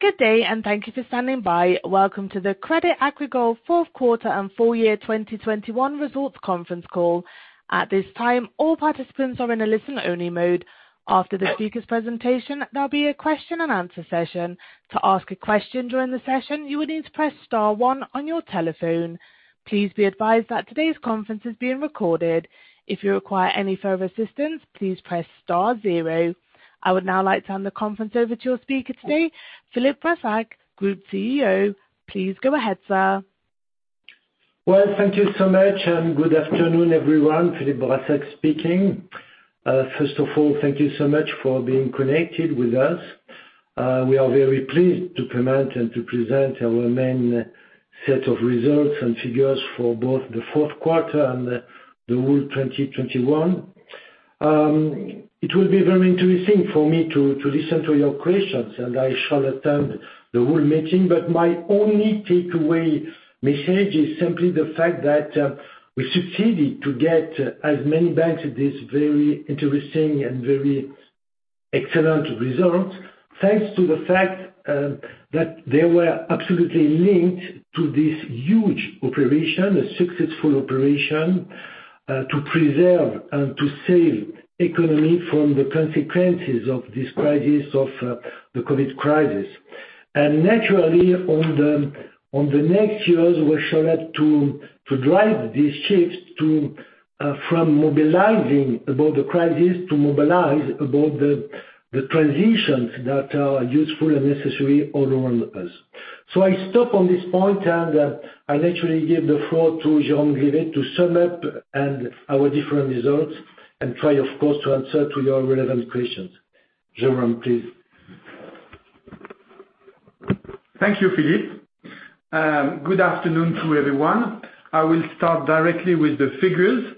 Good day, and thank you for standing by. Welcome to the Crédit Agricole fourth quarter and full year 2021 results conference call. At this time, all participants are in a listen-only mode. After the speaker's presentation, there'll be a question and answer session. To ask a question during the session, you will need to press star one on your telephone. Please be advised that today's conference is being recorded. If you require any further assistance, please press star zero. I would now like to hand the conference over to your speaker today, Philippe Brassac, Group CEO. Please go ahead, sir. Well, thank you so much, and good afternoon, everyone. Philippe Brassac speaking. First of all, thank you so much for being connected with us. We are very pleased to comment and to present our main set of results and figures for both the fourth quarter and the whole 2021. It will be very interesting for me to listen to your questions, and I shall attend the whole meeting. My only takeaway message is simply the fact that we succeeded to get as many banks this very interesting and very excellent results. Thanks to the fact that they were absolutely linked to this huge operation, a successful operation, to preserve and to save the economy from the consequences of this crisis of the COVID crisis. Naturally, on the next years, we shall have to drive these ships from mobilizing about the crisis to mobilize about the transitions that are useful and necessary all around us. I stop on this point, and I naturally give the floor to Jérôme Grivet to sum up our different results and try, of course, to answer to your relevant questions. Jérôme, please. Thank you, Philippe. Good afternoon to everyone. I will start directly with the figures.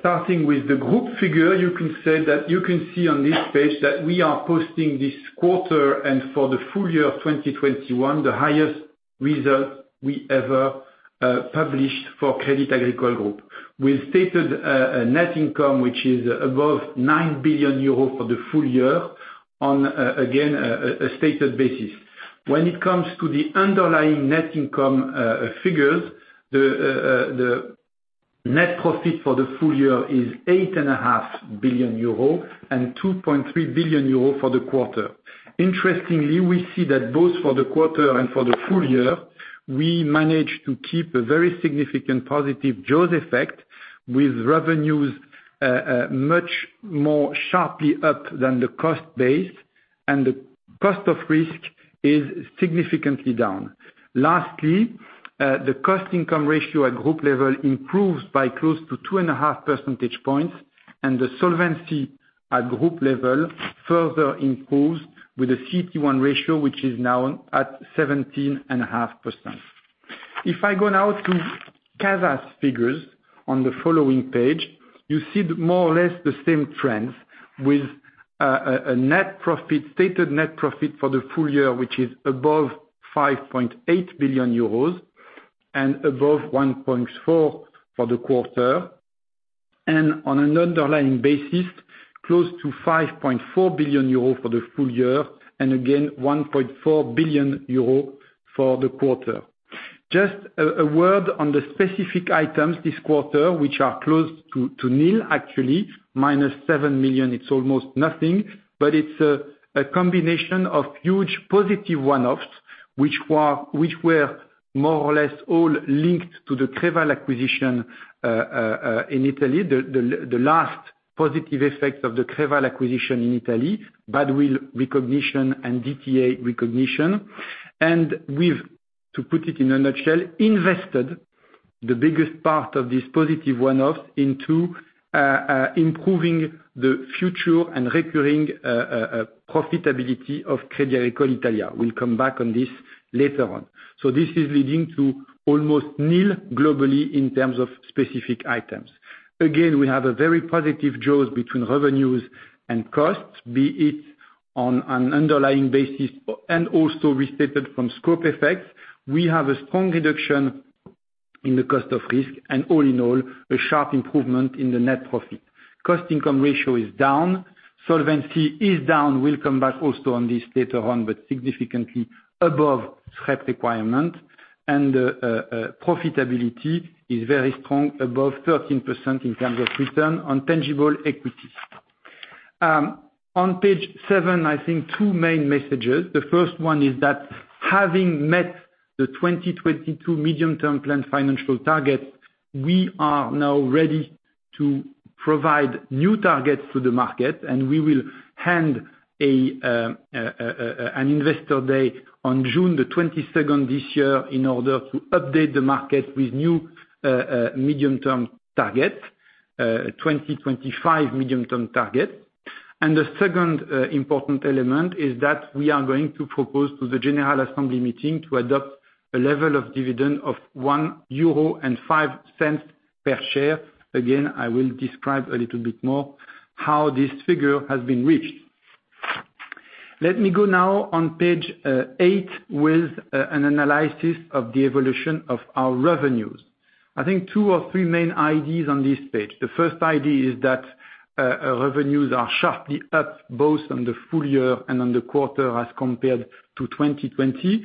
Starting with the group figure, you can say that you can see on this page that we are posting this quarter and for the full year of 2021, the highest result we ever published for Crédit Agricole Group. We've stated net income, which is above 9 billion euro for the full year on again a stated basis. When it comes to the underlying net income figures, the net profit for the full year is 8.5 billion euro and 2.3 billion euro for the quarter. Interestingly, we see that both for the quarter and for the full year, we managed to keep a very significant positive jaws effect with revenues much more sharply up than the cost base, and the cost of risk is significantly down. Lastly, the cost income ratio at group level improves by close to 2.5 percentage points, and the solvency at group level further improves with a CET1 ratio, which is now at 17.5%. If I go now to CASA's figures on the following page, you see more or less the same trends with a net profit, stated net profit for the full year, which is above 5.8 billion euros and above 1.4 billion for the quarter. On an underlying basis, close to 5.4 billion euro for the full year and again 1.4 billion euro for the quarter. Just a word on the specific items this quarter, which are close to nil, actually, -7 million, it's almost nothing. It's a combination of huge positive one-offs, which were more or less all linked to the Creval acquisition in Italy, the last positive effect of the Creval acquisition in Italy, bad will recognition and DTA recognition. We've, to put it in a nutshell, invested the biggest part of this positive one-off into improving the future and recurring profitability of Crédit Agricole Italia. We'll come back on this later on. This is leading to almost nil globally in terms of specific items. Again, we have a very positive jaws between revenues and costs, be it on an underlying basis and also restated from scope effects. We have a strong reduction in the cost of risk and all in all, a sharp improvement in the net profit. Cost income ratio is down. Solvency is down. We'll come back also on this later on, but significantly above SREP requirement. Profitability is very strong, above 13% in terms of return on tangible equity. On page seven, I think two main messages. The first one is that having met the 2022 medium-term plan financial target, we are now ready to provide new targets to the market, and we will have an investor day on June 22 this year in order to update the market with new medium-term target, 2025 medium-term target. The second important element is that we are going to propose to the general assembly meeting to adopt a level of dividend of 1.05 euro per share. Again, I will describe a little bit more how this figure has been reached. Let me go now on page eight with an analysis of the evolution of our revenues. I think two or three main ideas on this page. The first idea is that our revenues are sharply up, both on the full year and on the quarter as compared to 2020.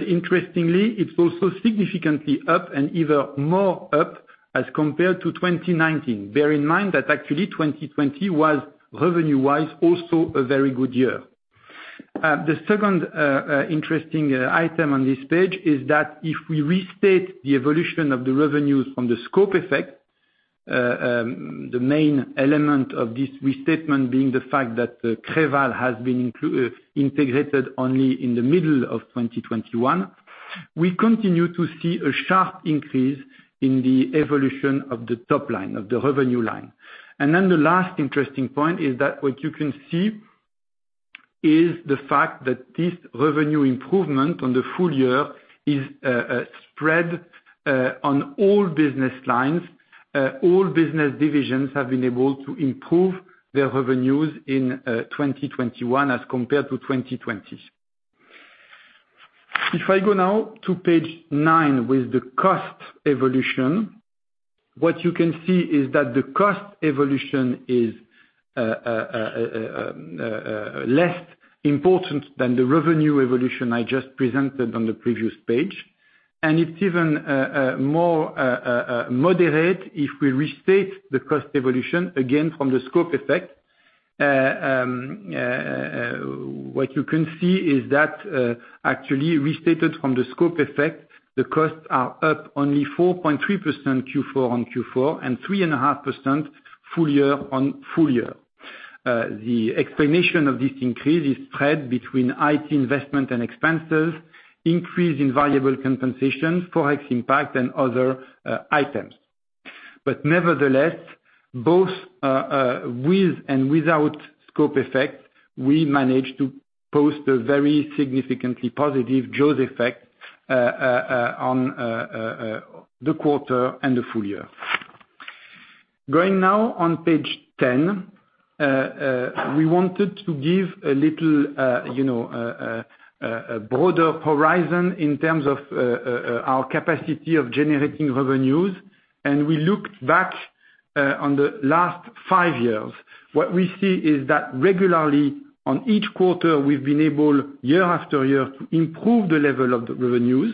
Interestingly, it's also significantly up and even more up as compared to 2019. Bear in mind that actually 2020 was revenue-wise, also a very good year. The second interesting item on this page is that if we restate the evolution of the revenues from the scope effect, the main element of this restatement being the fact that Creval has been integrated only in the middle of 2021, we continue to see a sharp increase in the evolution of the top line, of the revenue line. Then the last interesting point is that what you can see is the fact that this revenue improvement on the full year is spread on all business lines. All business divisions have been able to improve their revenues in 2021 as compared to 2020. If I go now to page 9 with the cost evolution, what you can see is that the cost evolution is less important than the revenue evolution I just presented on the previous page, and it's even more moderate if we restate the cost evolution, again from the scope effect. What you can see is that, actually restated from the scope effect, the costs are up only 4.3% Q4-on-Q4, and 3.5% full year on full year. The explanation of this increase is spread between IT investment and expenses, increase in variable compensation, Forex impact, and other items. Nevertheless, both with and without scope effect, we managed to post a very significantly positive jaws effect on the quarter and the full year. Going now on page 10, we wanted to give a little, you know, a broader horizon in terms of our capacity of generating revenues. We looked back on the last five years. What we see is that regularly on each quarter, we've been able, year-after-year, to improve the level of the revenues.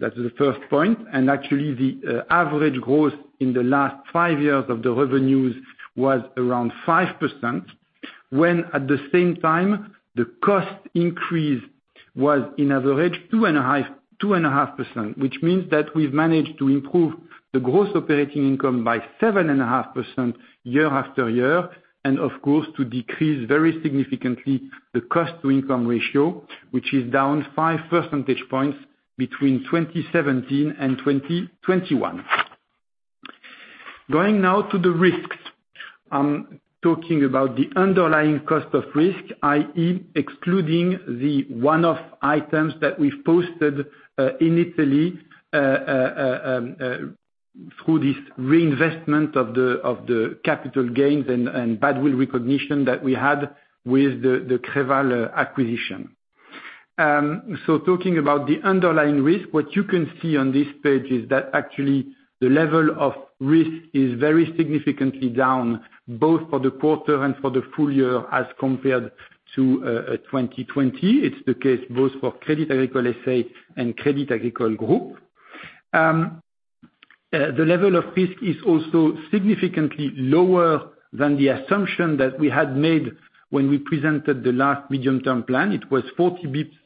That's the first point. Actually, the average growth in the last five years of the revenues was around 5%, when at the same time, the cost increase was on average 2.5%, which means that we've managed to improve the gross operating income by 7.5% year-after-year, and of course, to decrease very significantly the cost to income ratio, which is down 5 percentage points between 2017 and 2021. Going now to the risks. I'm talking about the underlying cost of risk, i.e. excluding the one-off items that we've posted in Italy through this reinvestment of the capital gains and goodwill recognition that we had with the Creval acquisition. Talking about the underlying risk, what you can see on this page is that actually the level of risk is very significantly down, both for the quarter and for the full year as compared to 2020. It's the case both for Crédit Agricole S.A. and Crédit Agricole Group. The level of risk is also significantly lower than the assumption that we had made when we presented the last medium-term plan. It was 40 basis points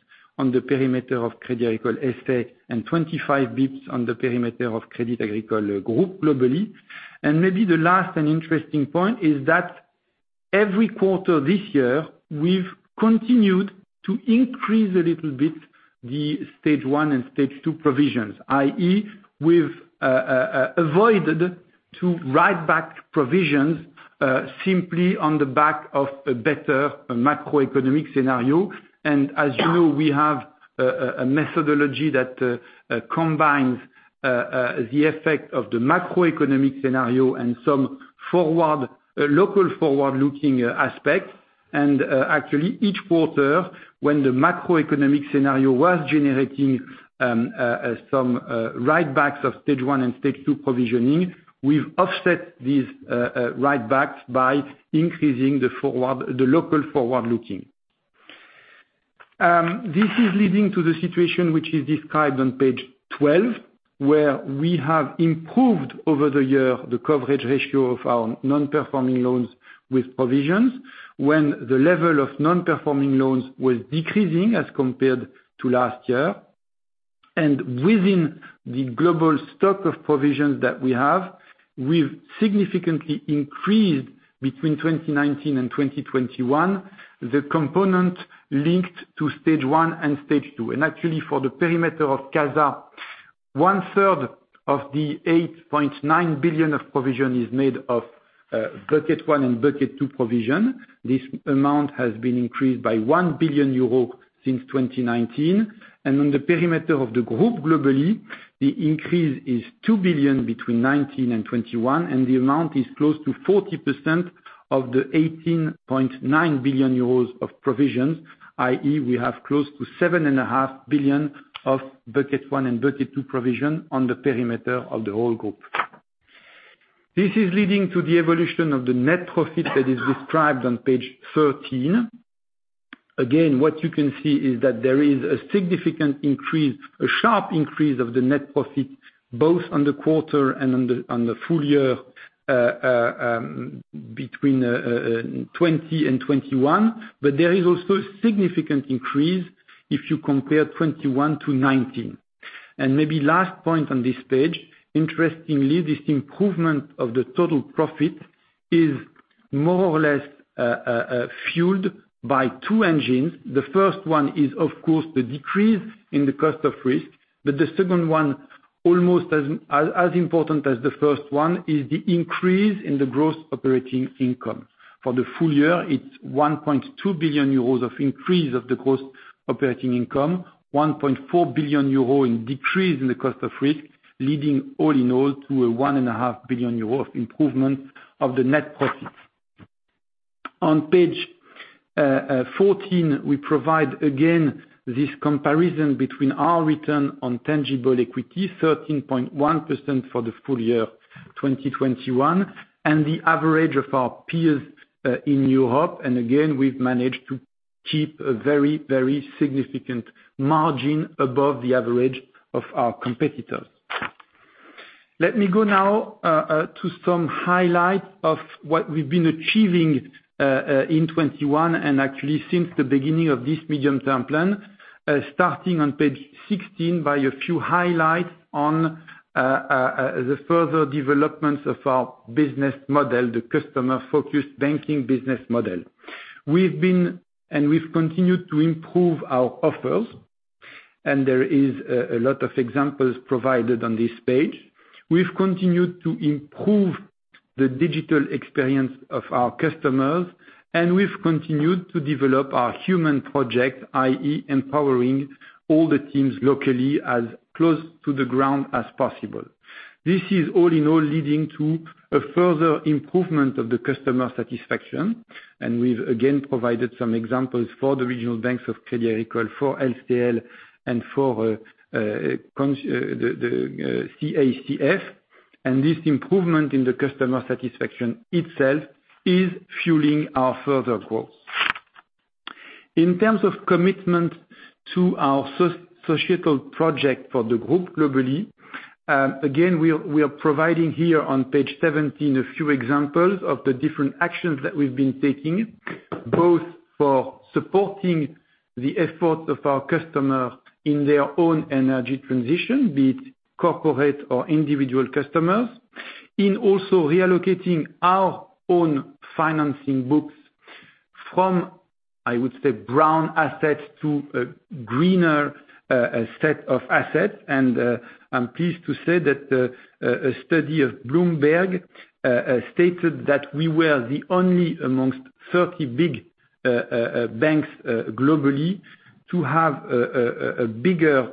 on the perimeter of Crédit Agricole S.A., and 25 basis points on the perimeter of Crédit Agricole Group globally. Maybe the last and interesting point is that every quarter this year, we've continued to increase a little bit the stage one and stage two provisions, i.e. we've avoided to write back provisions, simply on the back of a better macroeconomic scenario. As you know, we have a methodology that combines the effect of the macroeconomic scenario and some forward-looking local aspect. Actually, each quarter when the macroeconomic scenario was generating some write-backs of stage one and stage two provisioning, we've offset these write-backs by increasing the forward-looking local. This is leading to the situation which is described on page 12, where we have improved over the year the coverage ratio of our non-performing loans with provisions when the level of non-performing loans was decreasing as compared to last year. Within the global stock of provisions that we have, we've significantly increased between 2019 and 2021, the component linked to stage one and stage two. Actually, for the perimeter of CASA, 1/3 of the 8.9 billion of provision is made of bucket one and bucket two provision. This amount has been increased by 1 billion euros since 2019. On the perimeter of the group, globally, the increase is 2 billion between 2019 and 2021, and the amount is close to 40% of the 18.9 billion euros of provisions, i.e. we have close to 7.5 billion of bucket one and bucket two provision on the perimeter of the whole group. This is leading to the evolution of the net profit that is described on page 13. Again, what you can see is that there is a significant increase, a sharp increase of the net profit, both on the quarter and on the full year between 2020 and 2021. There is also a significant increase if you compare 2021-2019. Maybe last point on this page, interestingly, this improvement of the total profit is more or less fueled by two engines. The first one is, of course, the decrease in the cost of risk, but the second one, almost as important as the first one, is the increase in the gross operating income. For the full year, it's 1.2 billion euros of increase of the gross operating income, 1.4 billion euro in decrease in the cost of risk, leading all in all to a 1.5 billion euro of improvement of the net profit. On page 14, we provide again this comparison between our return on tangible equity, 13.1% for the full year 2021, and the average of our peers in Europe. Again, we've managed to keep a very, very significant margin above the average of our competitors. Let me go now to some highlights of what we've been achieving in 2021, and actually since the beginning of this medium-term plan, starting on page 16 with a few highlights on the further developments of our business model, the customer-focused banking business model. We've continued to improve our offers, and there is a lot of examples provided on this page. We've continued to improve the digital experience of our customers, and we've continued to develop our Projet Humain, i.e. empowering all the teams locally as close to the ground as possible. This is all in all leading to a further improvement of the customer satisfaction, and we've again provided some examples for the regional banks of Crédit Agricole, for LCL, and for CACF. This improvement in the customer satisfaction itself is fueling our further growth. In terms of commitment to our societal project for the group globally, again, we are providing here on page 17 a few examples of the different actions that we've been taking, both for supporting the effort of our customer in their own energy transition, be it corporate or individual customers. In also reallocating our own financing books from, I would say, brown assets to a greener set of assets. I'm pleased to say that a study of Bloomberg stated that we were the only amongst 30 big banks globally to have a bigger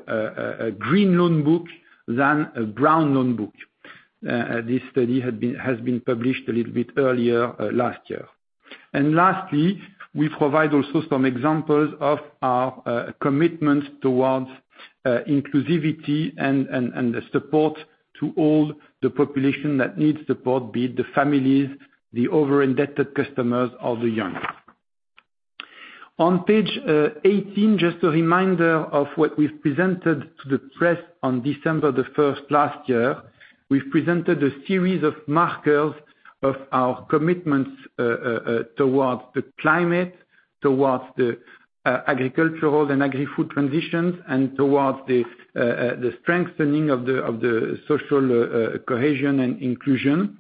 green loan book than a brown loan book. This study has been published a little bit earlier last year. Lastly, we provide also some examples of our commitment towards inclusivity and support to all the population that needs support, be it the families, the over-indebted customers, or the young. On page 18, just a reminder of what we've presented to the press on December the first last year. We've presented a series of markers of our commitments towards the climate, towards the agricultural and agri-food transitions, and towards the strengthening of the social cohesion and inclusion.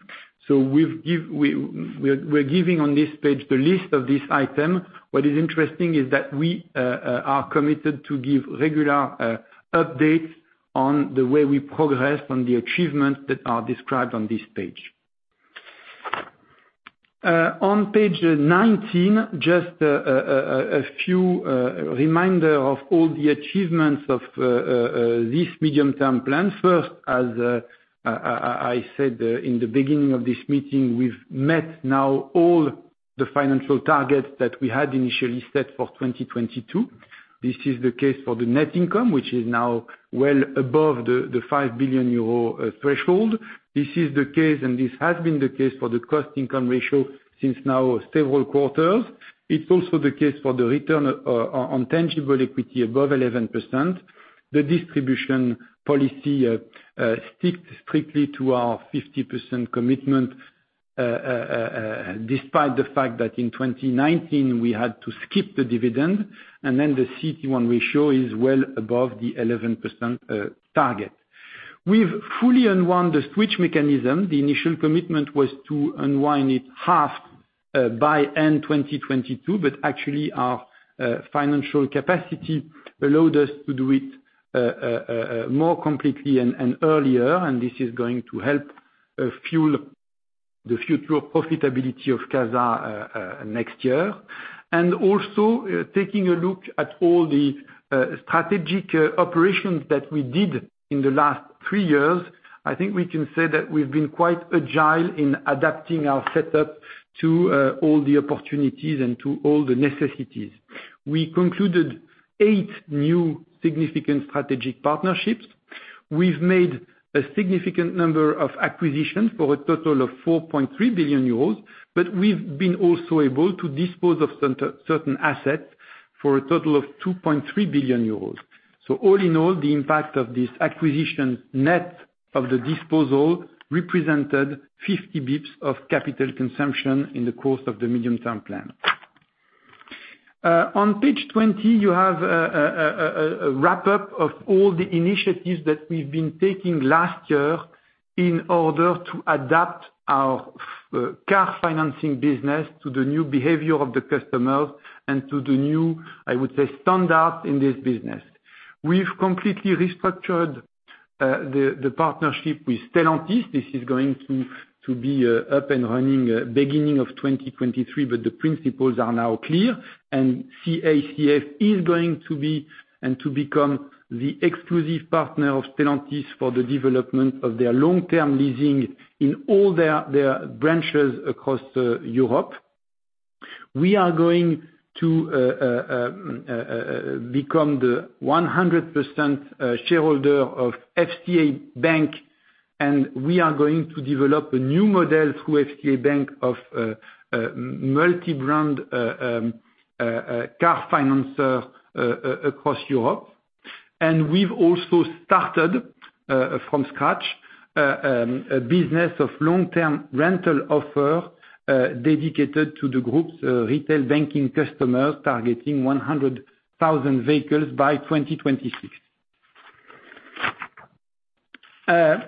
We're giving on this page the list of this item. What is interesting is that we are committed to give regular updates on the way we progress on the achievements that are described on this page. On page 19, just a few reminder of all the achievements of this medium-term plan. First, as I said in the beginning of this meeting, we've met now all the financial targets that we had initially set for 2022. This is the case for the net income, which is now well above the 5 billion euro threshold. This is the case, and this has been the case for the cost-income ratio since now several quarters. It's also the case for the return on tangible equity above 11%. The distribution policy sticks strictly to our 50% commitment, despite the fact that in 2019, we had to skip the dividend. Then the CET1 ratio is well above the 11% target. We've fully unwound the switch mechanism. The initial commitment was to unwind it half by end 2022, but actually, our financial capacity allowed us to do it more completely and earlier, and this is going to help fuel the future profitability of CASA next year. Taking a look at all the strategic operations that we did in the last three years, I think we can say that we've been quite agile in adapting our setup to all the opportunities and to all the necessities. We concluded eight new significant strategic partnerships. We've made a significant number of acquisitions for a total of 4.3 billion euros, but we've been also able to dispose of certain assets for a total of 2.3 billion euros. All in all, the impact of this acquisition, net of the disposal, represented 50 basis points of capital consumption in the course of the medium term plan. On page 20, you have a wrap-up of all the initiatives that we've been taking last year in order to adapt our car financing business to the new behavior of the customer and to the new, I would say, standard in this business. We've completely restructured the partnership with Stellantis. This is going to be up and running beginning of 2023, but the principles are now clear. CACF is going to be and to become the exclusive partner of Stellantis for the development of their long-term leasing in all their branches across Europe. We are going to become the 100% shareholder of FCA Bank, and we are going to develop a new model through FCA Bank of multi-brand car finance across Europe. We've also started from scratch a business of long-term rental offer dedicated to the group's retail banking customers, targeting 100,000 vehicles by 2026.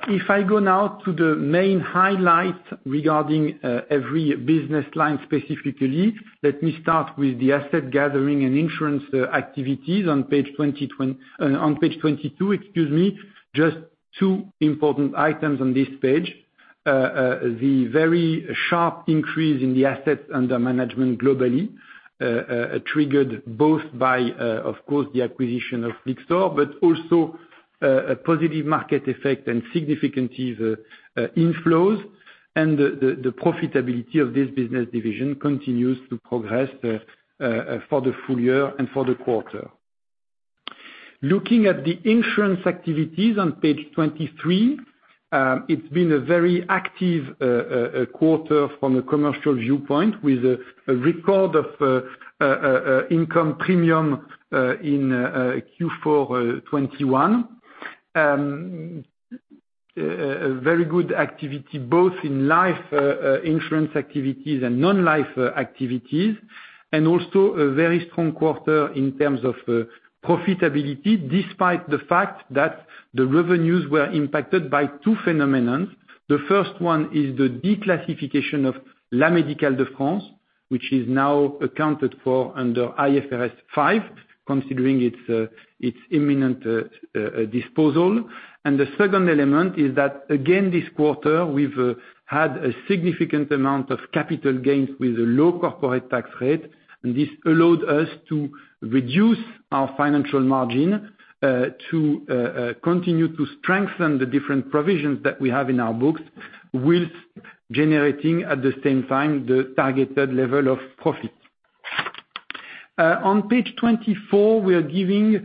If I go now to the main highlights regarding every business line specifically, let me start with the asset gathering and insurance activities on page 22, excuse me. Just two important items on this page. The very sharp increase in the assets under management globally triggered both by, of course, the acquisition of Lyxor, but also a positive market effect and significant inflows. The profitability of this business division continues to progress for the full year and for the quarter. Looking at the insurance activities on page 23, it's been a very active quarter from a commercial viewpoint, with a record premium income in Q4 2021. A very good activity both in life insurance activities and non-life activities, and also a very strong quarter in terms of profitability, despite the fact that the revenues were impacted by two phenomena. The first one is the declassification of La Médicale de France, which is now accounted for under IFRS 5, considering its imminent disposal. The second element is that again this quarter, we've had a significant amount of capital gains with a low corporate tax rate, and this allowed us to reduce our financial margin to continue to strengthen the different provisions that we have in our books, while generating at the same time the targeted level of profit. On page 24, we are giving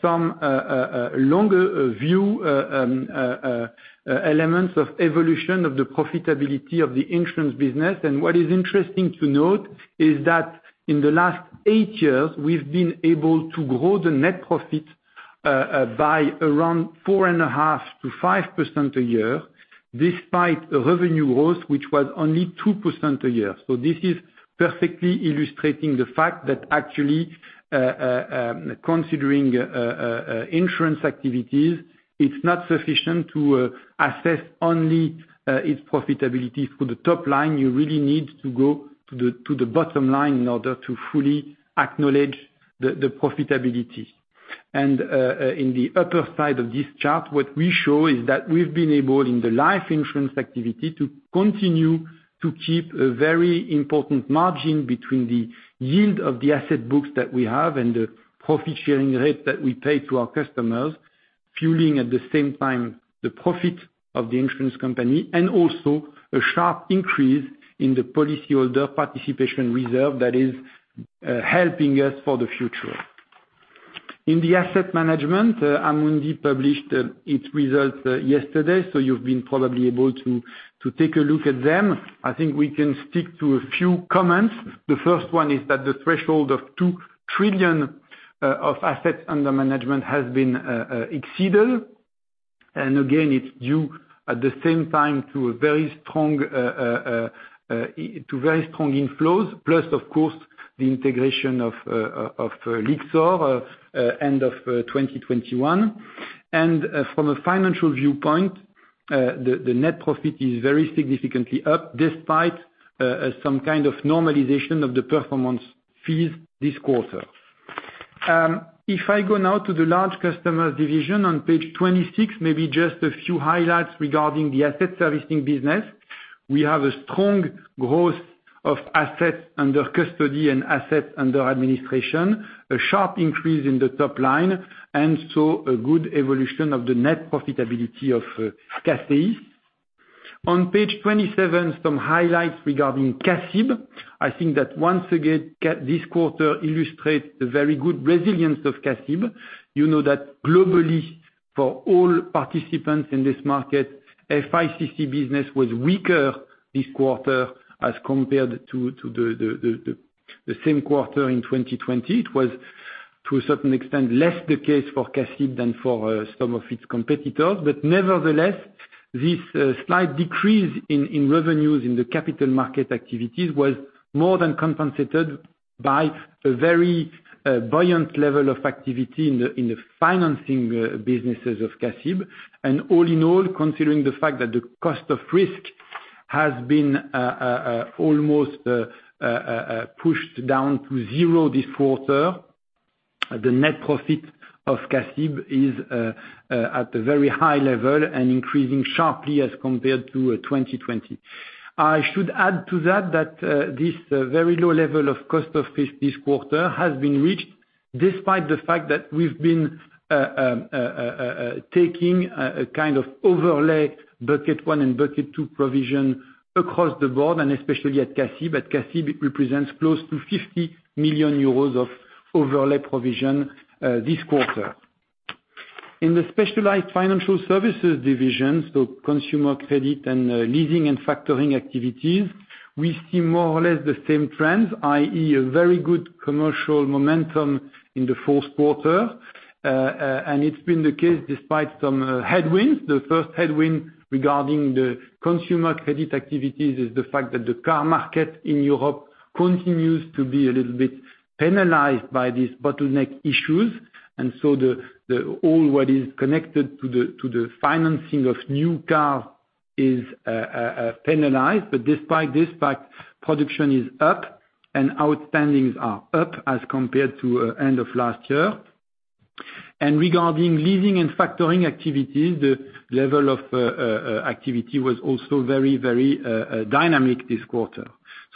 some longer view elements of evolution of the profitability of the insurance business. What is interesting to note is that in the last 8 years, we've been able to grow the net profit by around 4.5%-5% a year, despite a revenue growth, which was only 2% a year. This is perfectly illustrating the fact that actually considering insurance activities, it's not sufficient to assess only its profitability through the top line. You really need to go to the bottom line in order to fully acknowledge the profitability. In the upper side of this chart, what we show is that we've been able, in the life insurance activity, to continue to keep a very important margin between the yield of the asset books that we have and the profit-sharing rate that we pay to our customers, fueling at the same time the profit of the insurance company. Also a sharp increase in the policyholder participation reserve that is helping us for the future. In the asset management, Amundi published its results yesterday, so you've been probably able to take a look at them. I think we can stick to a few comments. The first one is that the threshold of 2 trillion of assets under management has been exceeded. It's due at the same time to very strong inflows, plus of course, the integration of Lyxor end of 2021. From a financial viewpoint, the net profit is very significantly up, despite some kind of normalization of the performance fees this quarter. If I go now to the large customers division on page 26, maybe just a few highlights regarding the asset servicing business. We have a strong growth of assets under custody and assets under administration, a sharp increase in the top line, and so a good evolution of the net profitability of CACEIS. On page 27, some highlights regarding CACIB. I think that once again, this quarter illustrates the very good resilience of CACIB. You know that globally, for all participants in this market, FICC business was weaker this quarter as compared to the same quarter in 2020. It was to a certain extent less the case for CACIB than for some of its competitors. But nevertheless, this slight decrease in revenues in the capital market activities was more than compensated by a very buoyant level of activity in the financing businesses of CACIB. All in all, considering the fact that the cost of risk has been almost pushed down to zero this quarter, the net profit of CACIB is at a very high level and increasing sharply as compared to 2020. I should add to that that this very low level of cost of risk this quarter has been reached despite the fact that we've been taking a kind of overlay bucket one and bucket two provision across the board, and especially at CACIB. CACIB represents close to 50 million euros of overlay provision this quarter. In the specialized financial services division, so consumer credit and leasing and factoring activities, we see more or less the same trends, i.e., a very good commercial momentum in the fourth quarter. It's been the case despite some headwinds. The first headwind regarding the consumer credit activities is the fact that the car market in Europe continues to be a little bit penalized by these bottleneck issues. All that is connected to the financing of new cars is penalized. Despite this, in fact, production is up and outstandings are up as compared to end of last year. Regarding leasing and factoring activities, the level of activity was also very dynamic this quarter.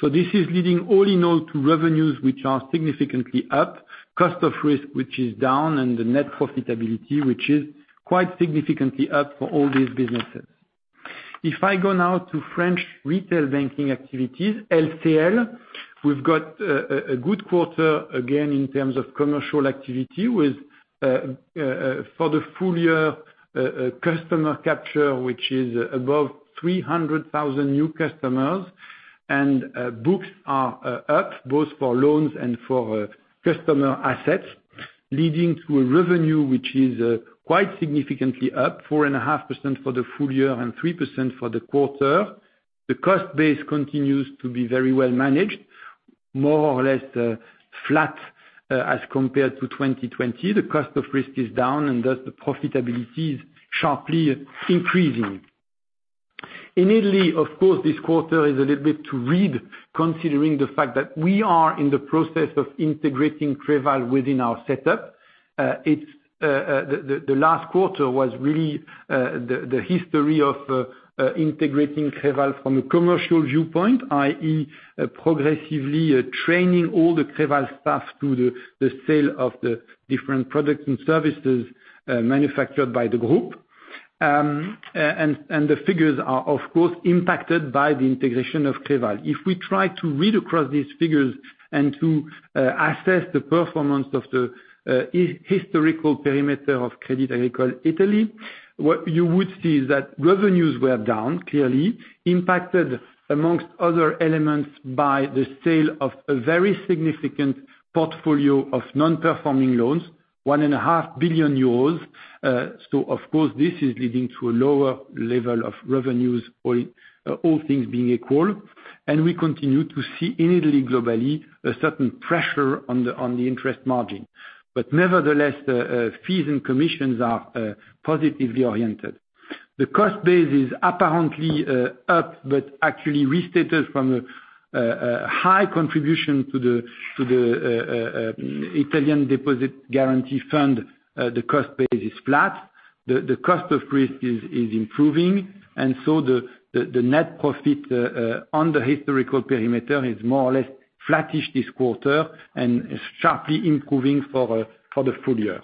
This is leading all in all to revenues which are significantly up, cost of risk which is down, and the net profitability which is quite significantly up for all these businesses. If I go now to French retail banking activities, LCL, we've got a good quarter again in terms of commercial activity with customer capture for the full year which is above 300,000 new customers. Books are up both for loans and for customer assets, leading to a revenue which is quite significantly up, 4.5% for the full year and 3% for the quarter. The cost base continues to be very well managed, more or less flat, as compared to 2020. The cost of risk is down and thus the profitability is sharply increasing. In Italy, of course, this quarter is a little bit hard to read, considering the fact that we are in the process of integrating Creval within our setup. The last quarter was really the history of integrating Creval from a commercial viewpoint, i.e., progressively training all the Creval staff to sell the different products and services manufactured by the group. The figures are of course impacted by the integration of Creval. If we try to read across these figures and to assess the performance of the historical perimeter of Crédit Agricole Italia, what you would see is that revenues were down, clearly, impacted amongst other elements by the sale of a very significant portfolio of non-performing loans, 1.5 billion euros. So of course, this is leading to a lower level of revenues, all things being equal. We continue to see in Italy globally, a certain pressure on the interest margin. Nevertheless, the fees and commissions are positively oriented. The cost base is apparently up, but actually restated from a high contribution to the Italian Deposit Guarantee Fund, the cost base is flat. The cost of risk is improving and so the net profit on the historical perimeter is more or less flattish this quarter and is sharply improving for the full year.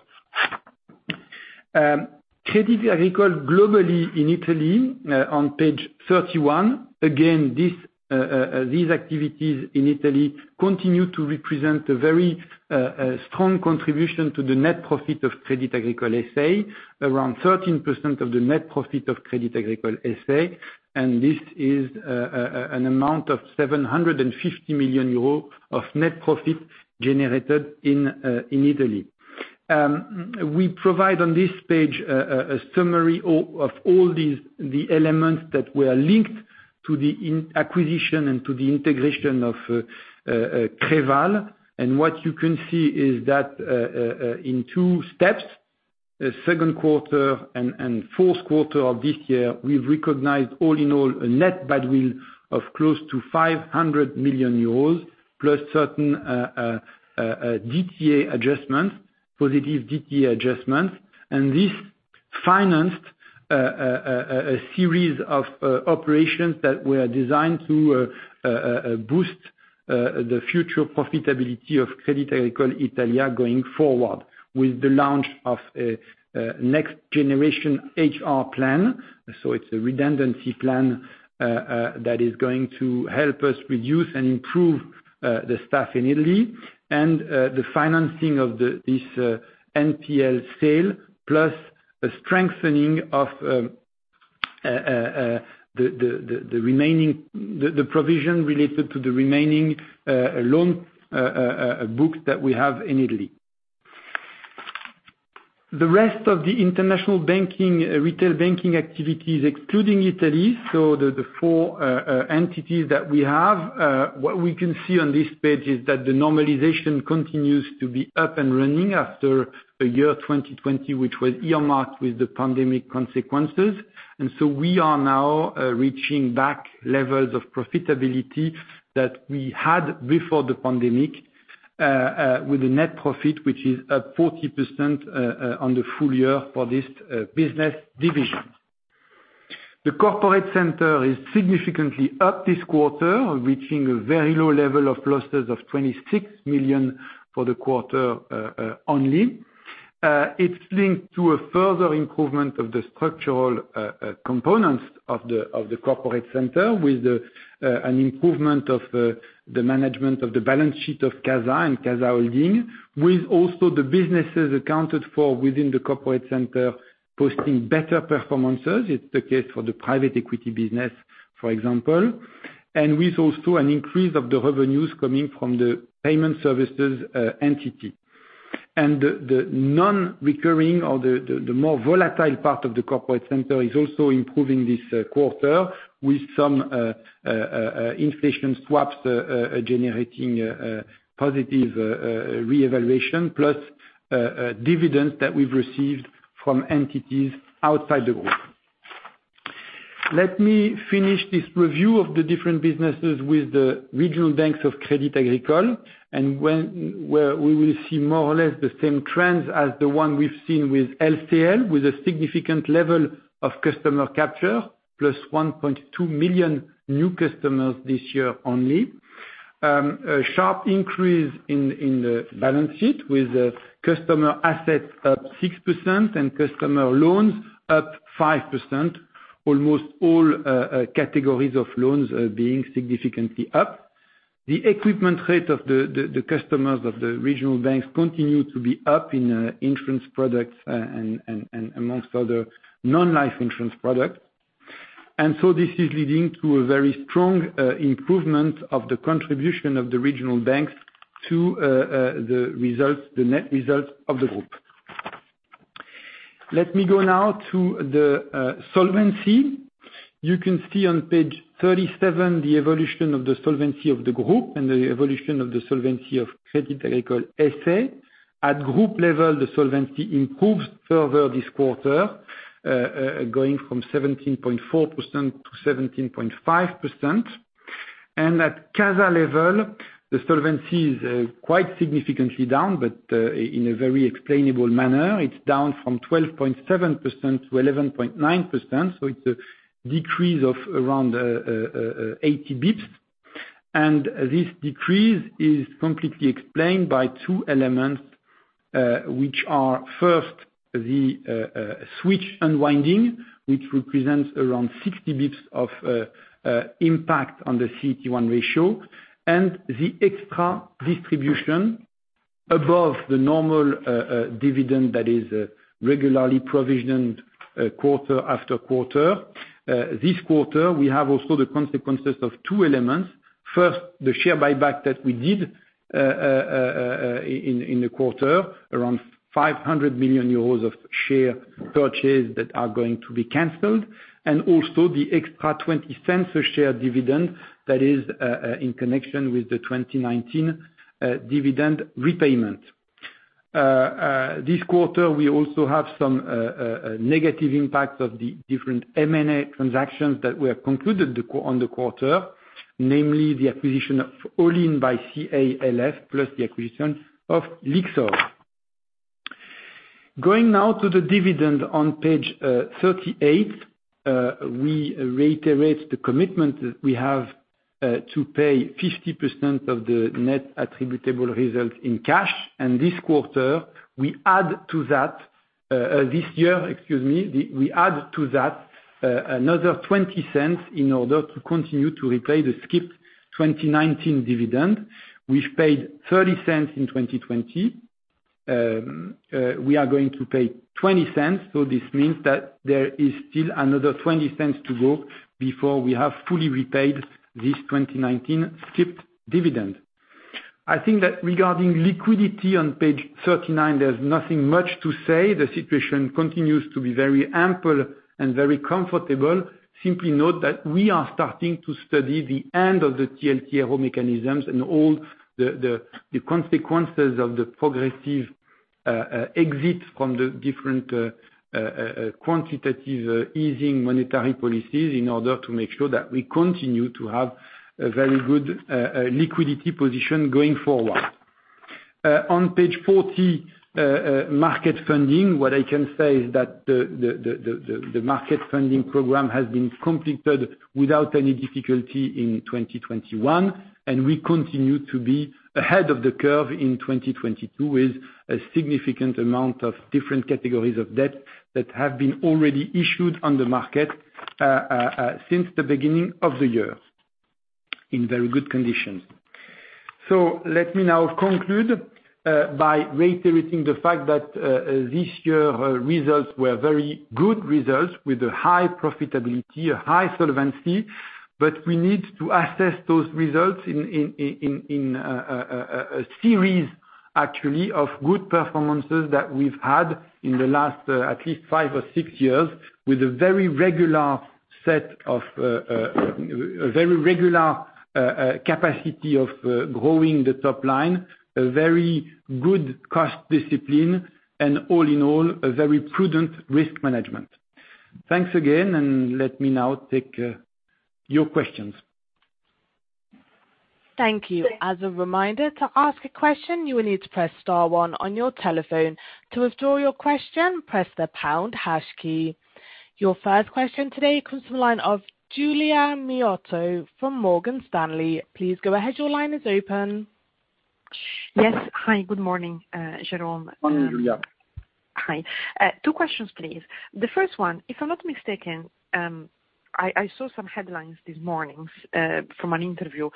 Crédit Agricole globally in Italy, on page 31, again, these activities in Italy continue to represent a very strong contribution to the net profit of Crédit Agricole S.A., around 13% of the net profit of Crédit Agricole S.A., and this is an amount of 750 million euro of net profit generated in Italy. We provide on this page a summary of all these, the elements that were linked to the acquisition and to the integration of Creval. What you can see is that, in two steps, the second quarter and fourth quarter of this year, we've recognized all in all a net goodwill of close to 500 million euros, plus certain positive DTA adjustments. This financed a series of operations that were designed to boost the future profitability of Crédit Agricole Italia going forward with the launch of next generation HR plan. It's a redundancy plan that is going to help us reduce and improve the staff in Italy and the financing of this NPL sale, plus a strengthening of the provision related to the remaining loan book that we have in Italy. The rest of the international banking, retail banking activities excluding Italy, the four entities that we have. What we can see on this page is that the normalization continues to be up and running after the year 2020, which was earmarked with the pandemic consequences. We are now reaching back levels of profitability that we had before the pandemic with the net profit, which is at 40% on the full year for this business division. The corporate center is significantly up this quarter, reaching a very low level of losses of 26 million for the quarter only. It's linked to a further improvement of the structural components of the corporate center with an improvement of the management of the balance sheet of CASA and CASA Holding, with also the businesses accounted for within the corporate center posting better performances. It's the case for the private equity business, for example. With also an increase of the revenues coming from the payment services entity. The non-recurring or the more volatile part of the corporate center is also improving this quarter with some inflation swaps generating positive revaluation, plus dividends that we've received from entities outside the group. Let me finish this review of the different businesses with the regional banks of Crédit Agricole and where we will see more or less the same trends as the one we've seen with LCL, with a significant level of customer capture, +1.2 million new customers this year only. A sharp increase in the balance sheet with customer assets up 6% and customer loans up 5%. Almost all categories of loans being significantly up. The equipment rate of the customers of the regional banks continue to be up in insurance products and amongst other non-life insurance products. This is leading to a very strong improvement of the contribution of the regional banks to the results, the net results of the group. Let me go now to the solvency. You can see on page 37 the evolution of the solvency of the group and the evolution of the solvency of Crédit Agricole S.A. At group level, the solvency improves further this quarter, going from 17.4%-17.5%. At CASA level, the solvency is quite significantly down, but in a very explainable manner. It's down from 12.7% to 11.9%. It's a decrease of around 80 basis points. This decrease is completely explained by two elements, which are first, the swaps unwinding, which represents around 60 basis points of impact on the CET1 ratio, and the extra distribution above the normal dividend that is regularly provisioned quarter after quarter. This quarter, we have also the consequences of two elements. First, the share buyback that we did in the quarter, around 500 million euros of share purchase that are going to be canceled, and also the extra 20 cents a share dividend that is in connection with the 2019 dividend repayment. This quarter, we also have some negative impacts of the different M&A transactions that we have concluded on the quarter, namely the acquisition of Olinn by CAL&F, plus the acquisition of Lyxor. Going now to the dividend on page 38, we reiterate the commitment that we have to pay 50% of the net attributable results in cash. This quarter, we add to that, this year, excuse me, we add to that, another 0.20 in order to continue to repay the skipped 2019 dividend. We've paid 0.30 in 2020. We are going to pay 0.20. This means that there is still another 0.20 to go before we have fully repaid this 2019 skipped dividend. I think that regarding liquidity on page 39, there's nothing much to say. The situation continues to be very ample and very comfortable. Simply note that we are starting to study the end of the TLTRO mechanisms and all the consequences of the progressive exit from the different quantitative easing monetary policies in order to make sure that we continue to have a very good liquidity position going forward. On page 40, market funding, what I can say is that the market funding program has been completed without any difficulty in 2021, and we continue to be ahead of the curve in 2022 with a significant amount of different categories of debt that have been already issued on the market since the beginning of the year in very good conditions. Let me now conclude by reiterating the fact that this year results were very good results with a high profitability, a high solvency, but we need to assess those results in a series actually of good performances that we've had in the last at least five or six years, with a very regular set of very regular capacity of growing the top line, a very good cost discipline, and all in all, a very prudent risk management. Thanks again, and let me now take your questions. Thank you. As a reminder, to ask a question, you will need to press star one on your telephone. To withdraw your question, press the pound hash key. Your first question today comes from the line of Giulia Miotto from Morgan Stanley. Please go ahead, your line is open. Yes. Hi, good morning, Jérôme. Morning, Giulia. Hi. Two questions, please. The first one, if I'm not mistaken, I saw some headlines this morning from an interview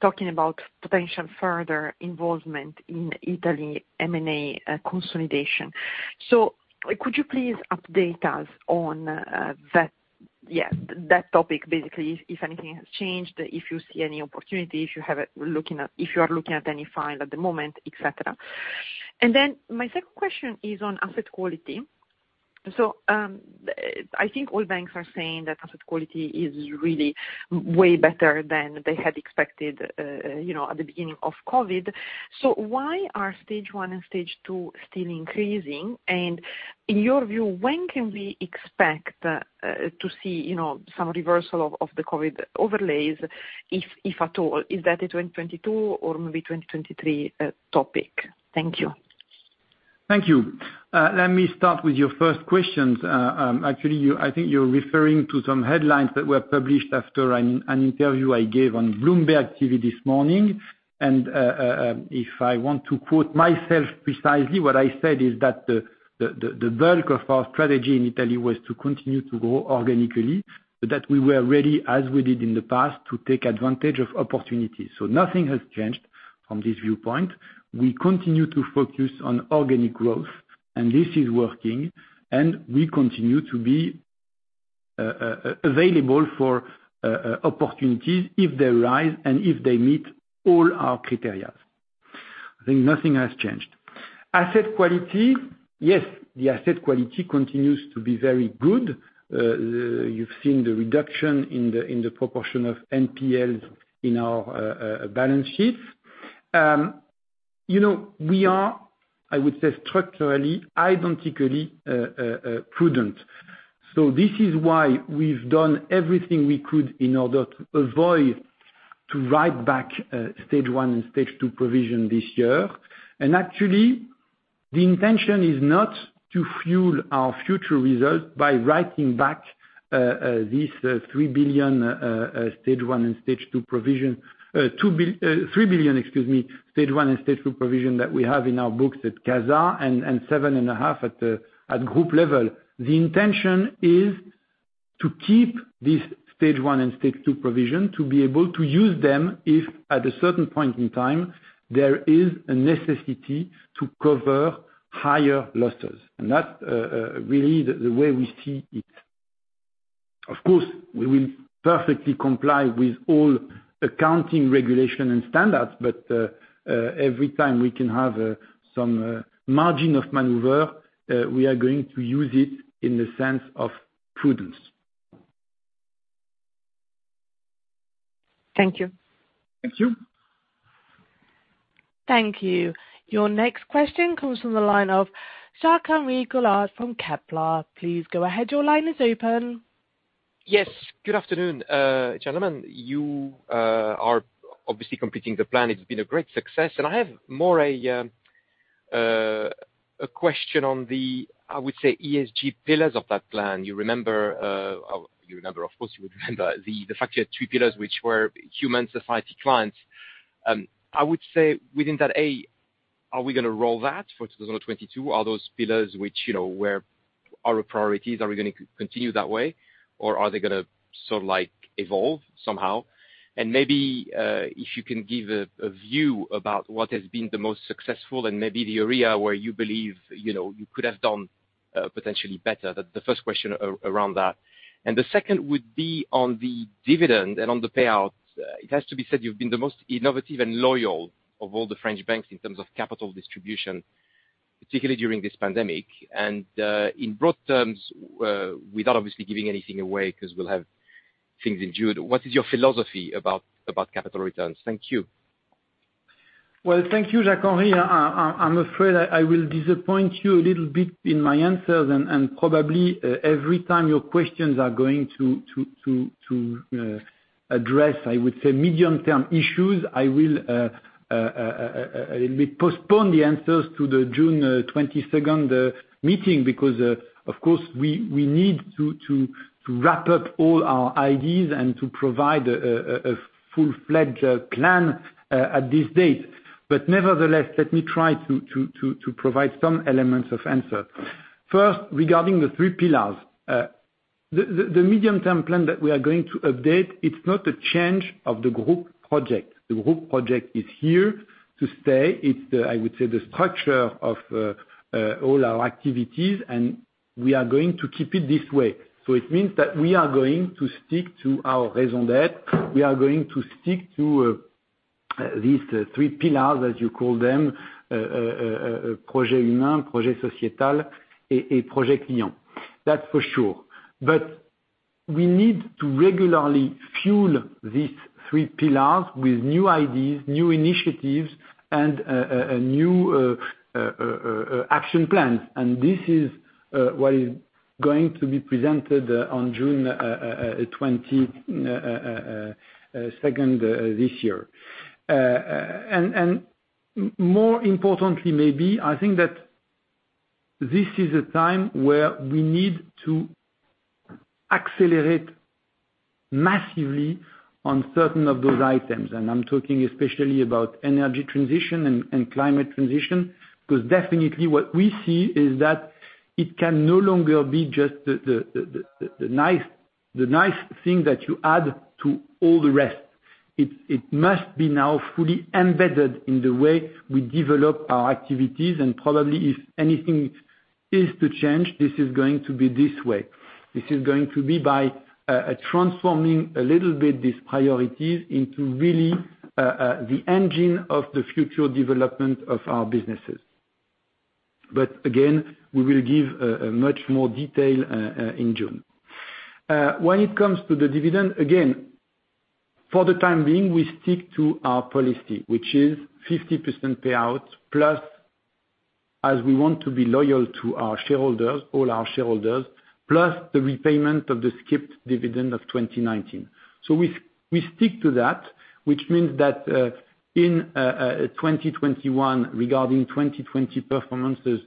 talking about potential further involvement in Italy M&A consolidation. Could you please update us on that, yeah, that topic, basically if anything has changed, if you see any opportunity, if you are looking at any file at the moment, et cetera. My second question is on asset quality. I think all banks are saying that asset quality is really way better than they had expected, you know, at the beginning of COVID. Why are Stage one and Stage two still increasing? In your view, when can we expect to see, you know, some reversal of the COVID overlays, if at all? Is that a 2022 or maybe 2023 topic? Thank you. Thank you. Let me start with your first questions. Actually, you, I think you're referring to some headlines that were published after an interview I gave on Bloomberg TV this morning. If I want to quote myself precisely, what I said is that the bulk of our strategy in Italy was to continue to grow organically, but that we were ready, as we did in the past, to take advantage of opportunities. Nothing has changed from this viewpoint. We continue to focus on organic growth, and this is working, and we continue to be available for opportunities if they arise and if they meet all our criteria. I think nothing has changed. Asset quality, yes. The asset quality continues to be very good. You've seen the reduction in the proportion of NPLs in our balance sheets. You know, we are, I would say structurally, identically prudent. This is why we've done everything we could in order to avoid to write back stage one and stage two provision this year. Actually, the intention is not to fuel our future results by writing back this 3 billion, excuse me, stage one and stage two provision that we have in our books at CASA and 7.5 billion at group level. The intention is to keep this stage one and stage two provision to be able to use them, if at a certain point in time there is a necessity to cover higher losses. That's really the way we see it. Of course, we will perfectly comply with all accounting regulation and standards, but every time we can have some margin of maneuver, we are going to use it in the sense of prudence. Thank you. Thank you. Thank you. Your next question comes from the line of Jacques-Henri Gaulard from Kepler. Please go ahead, your line is open. Yes. Good afternoon, gentlemen. You are obviously completing the plan. It's been a great success. I have more of a question on the, I would say ESG pillars of that plan. You remember, of course you would remember the fact you had three pillars, which were human, society, clients. I would say within that, are we gonna roll that for 2022? Are those pillars which, you know, were our priorities, are we gonna continue that way, or are they gonna sort of like evolve somehow? Maybe, if you can give a view about what has been the most successful and maybe the area where you believe, you know, you could have done potentially better. The first question around that. The second would be on the dividend and on the payouts. It has to be said, you've been the most innovative and loyal of all the French banks in terms of capital distribution, particularly during this pandemic. In broad terms, without obviously giving anything away, because we'll have things in June, what is your philosophy about capital returns? Thank you. Well, thank you, Jacques-Henri. I'm afraid I will disappoint you a little bit in my answers and probably every time your questions are going to address, I would say, medium-term issues, I will postpone the answers to the June twenty-second meeting. Because, of course, we need to wrap up all our ideas and to provide a full-fledged plan at this date. Nevertheless, let me try to provide some elements of answer. First, regarding the three pillars. The medium-term plan that we are going to update, it's not a change of the group project. The group project is here to stay. It's I would say the structure of all our activities, and we are going to keep it this way. It means that we are going to stick to our raison d'être. We are going to stick to at least three pillars, as you call them. Projet Humain, Projet Sociétal, et Projet Client. That's for sure. We need to regularly fuel these three pillars with new ideas, new initiatives, and a new action plans. This is what is going to be presented on June 20, 2022. More importantly, maybe, I think that this is a time where we need to accelerate massively on certain of those items. I'm talking especially about energy transition and climate transition. Because definitely what we see is that it can no longer be just the nice thing that you add to all the rest. It must be now fully embedded in the way we develop our activities, and probably if anything is to change, this is going to be this way. This is going to be by transforming a little bit these priorities into really the engine of the future development of our businesses. But again, we will give much more detail in June. When it comes to the dividend, again, for the time being, we stick to our policy, which is 50% payout, plus as we want to be loyal to our shareholders, all our shareholders, plus the repayment of the skipped dividend of 2019. We stick to that, which means that in 2021, regarding 2020 performances,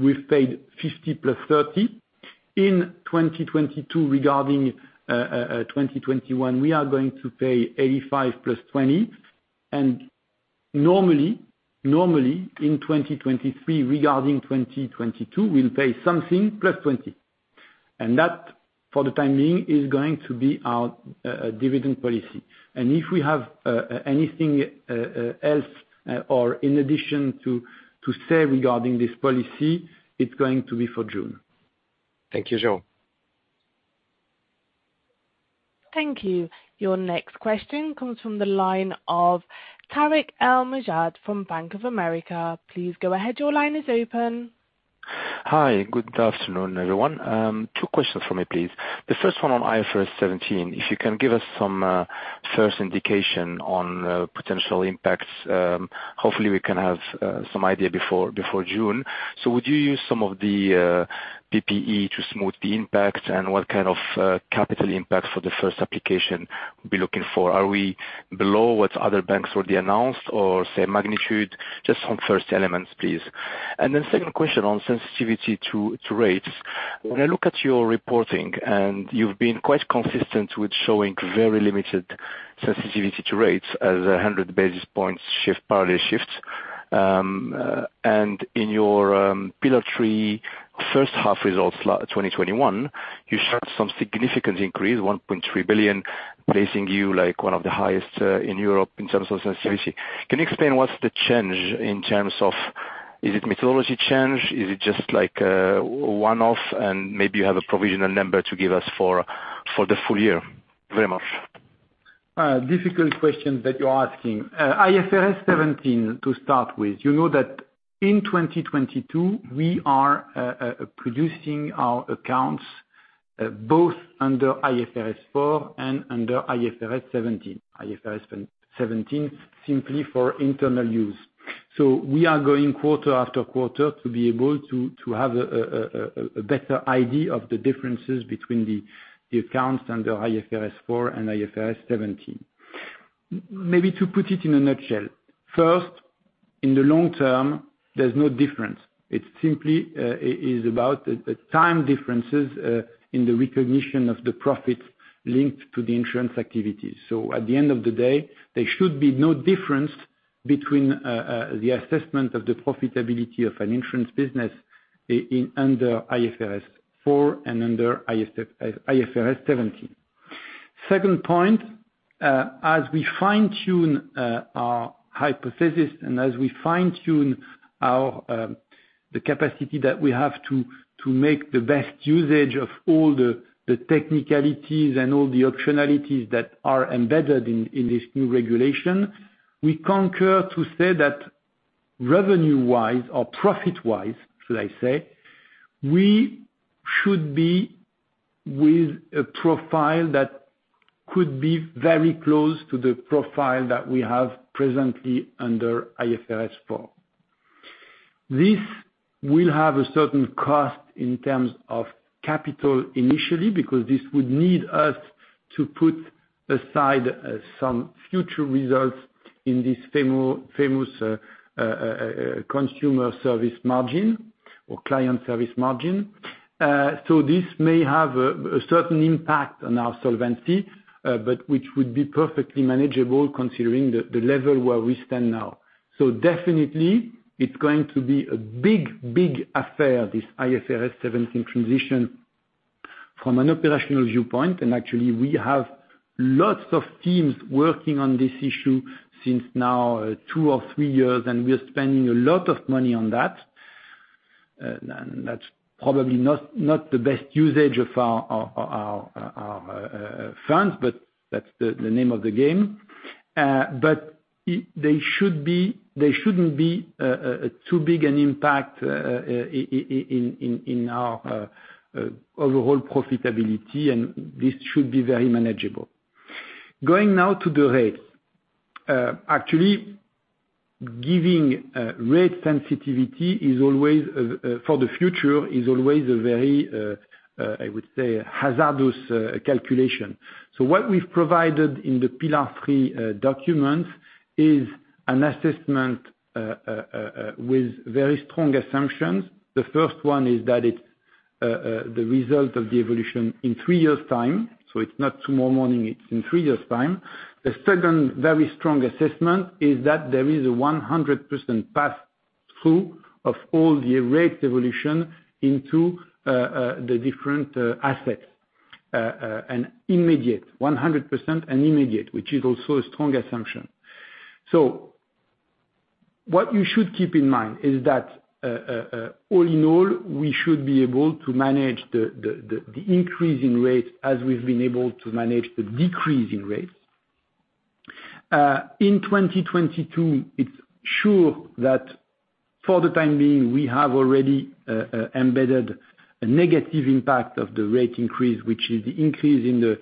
we've paid 0.50 + 0.30. In 2022, regarding 2021, we are going to pay 0.85 + 0.20. Normally, in 2023 regarding 2022, we'll pay something + 0.20. That, for the time being, is going to be our dividend policy. If we have anything else or in addition to say regarding this policy, it's going to be for June. Thank you, Jérôme. Thank you. Your next question comes from the line of Tarik El Mejjad from Bank of America. Please go ahead. Your line is open. Hi. Good afternoon, everyone. Two questions for me, please. The first one on IFRS 17, if you can give us some first indication on potential impacts, hopefully we can have some idea before June. Would you use some of the PPE to smooth the impact, and what kind of capital impact for the first application will we be looking for? Are we below what other banks already announced or same magnitude? Just on first elements, please. Then second question on sensitivity to rates. When I look at your reporting, and you've been quite consistent with showing very limited sensitivity to rates as a 100 basis points shift, parallel shifts. In your Pillar 3 first half results, 2021, you showed some significant increase, 1.3 billion, placing you, like, one of the highest in Europe in terms of sensitivity. Can you explain what's the change in terms of. Is it methodology change? Is it just like, one off and maybe you have a provisional number to give us for the full year? Very much. Difficult questions that you're asking. IFRS 17, to start with. You know that in 2022, we are producing our accounts both under IFRS 4 and under IFRS 17. IFRS 17, simply for internal use. We are going quarter after quarter to be able to have a better idea of the differences between the accounts under IFRS 4 and IFRS 17. Maybe to put it in a nutshell. First, in the long term, there's no difference. It simply is about the time differences in the recognition of the profits linked to the insurance activities. At the end of the day, there should be no difference between the assessment of the profitability of an insurance business in under IFRS 4 and under IFRS 17. Second point, as we fine-tune our hypothesis and as we fine-tune our capacity that we have to make the best usage of all the technicalities and all the optionalities that are embedded in this new regulation, we concur to say that revenue-wise or profit-wise, should I say, we should be with a profile that could be very close to the profile that we have presently under IFRS 4. This will have a certain cost in terms of capital initially, because this would need us to put aside some future results in this famous contractual service margin or contractual service margin. This may have a certain impact on our solvency, but which would be perfectly manageable considering the level where we stand now. Definitely it's going to be a big, big affair, this IFRS 17 transition from an operational viewpoint. Actually, we have lots of teams working on this issue for two or three years now, and we are spending a lot of money on that. That's probably not the best usage of our funds, but that's the name of the game. They shouldn't be too big an impact in our overall profitability, and this should be very manageable. Going now to the rates. Actually giving rate sensitivity for the future is always a very, I would say, hazardous calculation. What we've provided in the Pillar 3 document is an assessment with very strong assumptions. The first one is that it's the result of the evolution in three years' time, it's not tomorrow morning, it's in three years' time. The second very strong assessment is that there is a 100% pass-through of all the rate evolution into the different assets, 100% and immediate, which is also a strong assumption. What you should keep in mind is that all in all, we should be able to manage the increase in rates as we've been able to manage the decrease in rates. In 2022, it's sure that for the time being, we have already embedded a negative impact of the rate increase, which is the increase in the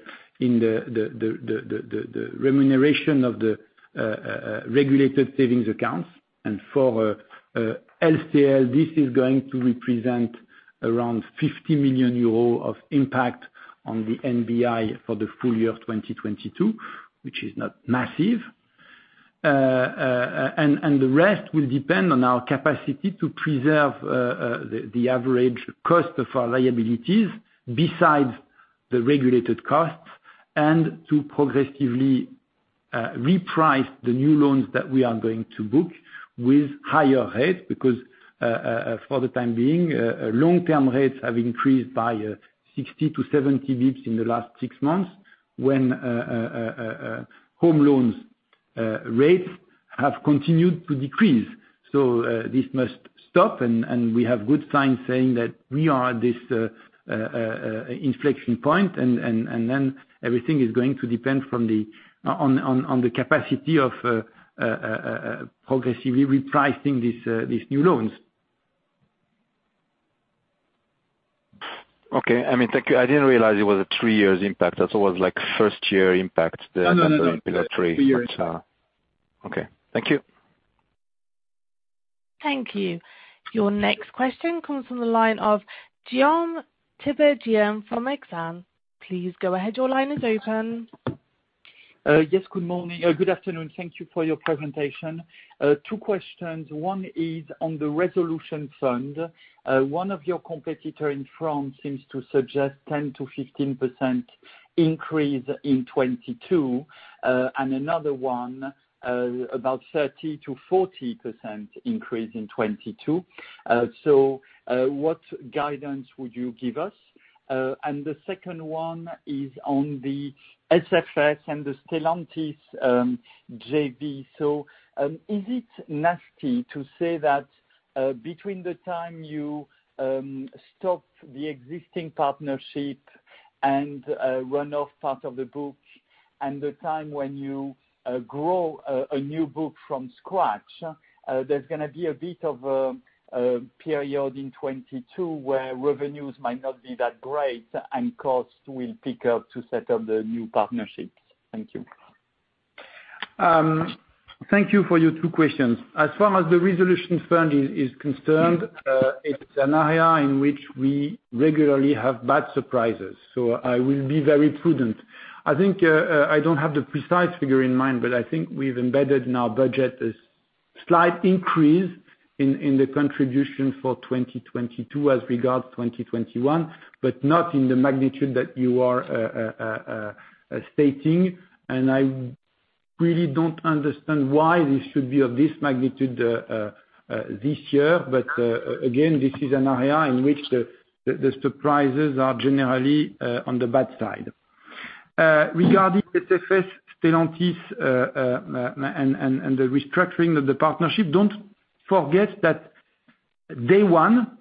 remuneration of the regulated savings accounts. For LCL, this is going to represent around 50 million euros of impact on the NBI for the full year of 2022, which is not massive. The rest will depend on our capacity to preserve the average cost of our liabilities besides the regulated costs and to progressively reprice the new loans that we are going to book with higher rates, because for the time being, long-term rates have increased by 60-70 basis points in the last six months, when home loan rates have continued to decrease. This must stop, and we have good signs saying that we are at this inflection point, and then everything is going to depend on the capacity of progressively repricing these new loans. Okay. I mean, thank you. I didn't realize it was a three years impact. I thought it was like first year impact. No, no. Pillar 3. Three years. Okay. Thank you. Thank you. Your next question comes from the line of Guillaume Tiberghien from Exane. Please go ahead, your line is open. Yes, good morning or good afternoon. Thank you for your presentation. Two questions. One is on the resolution fund. One of your competitor in France seems to suggest 10%-15% increase in 2022, and another one, about 30%-40% increase in 2022. What guidance would you give us? And the second one is on the SFS and the Stellantis JV. Is it naive to say that, between the time you stop the existing partnership and run off part of the book, and the time when you grow a new book from scratch, there's gonna be a bit of a period in 2022 where revenues might not be that great and costs will pick up to set up the new partnerships. Thank you. Thank you for your two questions. As far as the resolution fund is concerned, it's an area in which we regularly have bad surprises, so I will be very prudent. I think I don't have the precise figure in mind, but I think we've embedded in our budget a slight increase in the contribution for 2022 as regards 2021, but not in the magnitude that you are stating. I really don't understand why this should be of this magnitude this year. Again, this is an area in which the surprises are generally on the bad side. Regarding the SFS Stellantis and the restructuring of the partnership, don't forget that day one,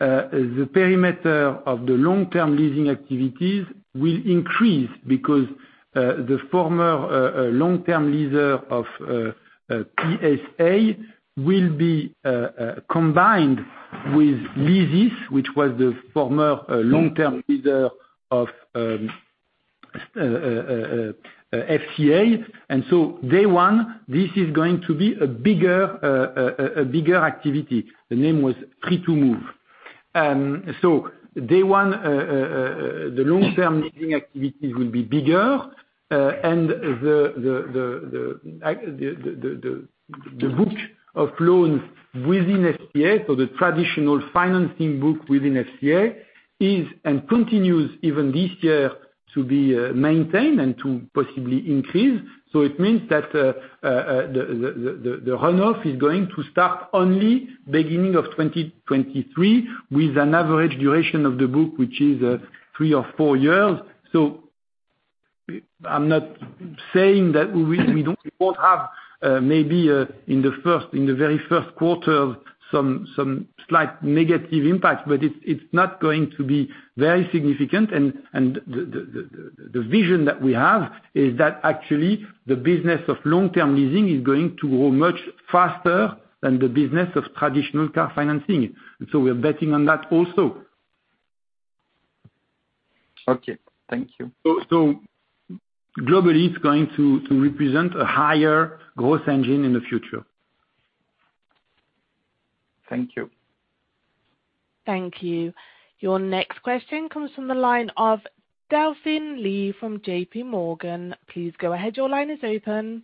the perimeter of the long-term leasing activities will increase because the former long-term lessor of PSA will be combined with Leasys, which was the former long-term lessor of FCA. Day one, this is going to be a bigger activity. The name was Free2move. Day one, the long-term leasing activity will be bigger, and the book of loans within FCA, so the traditional financing book within FCA is and continues even this year, to be maintained and to possibly increase. It means that the run-off is going to start only beginning of 2023, with an average duration of the book, which is three or four years. I'm not saying that we won't have maybe in the very first quarter some slight negative impact, but it's not going to be very significant. The vision that we have is that actually the business of long-term leasing is going to grow much faster than the business of traditional car financing. We are betting on that also. Okay, thank you. Globally, it's going to represent a higher growth engine in the future. Thank you. Your next question comes from the line of Delphine Lee from JPMorgan. Please go ahead. Your line is open.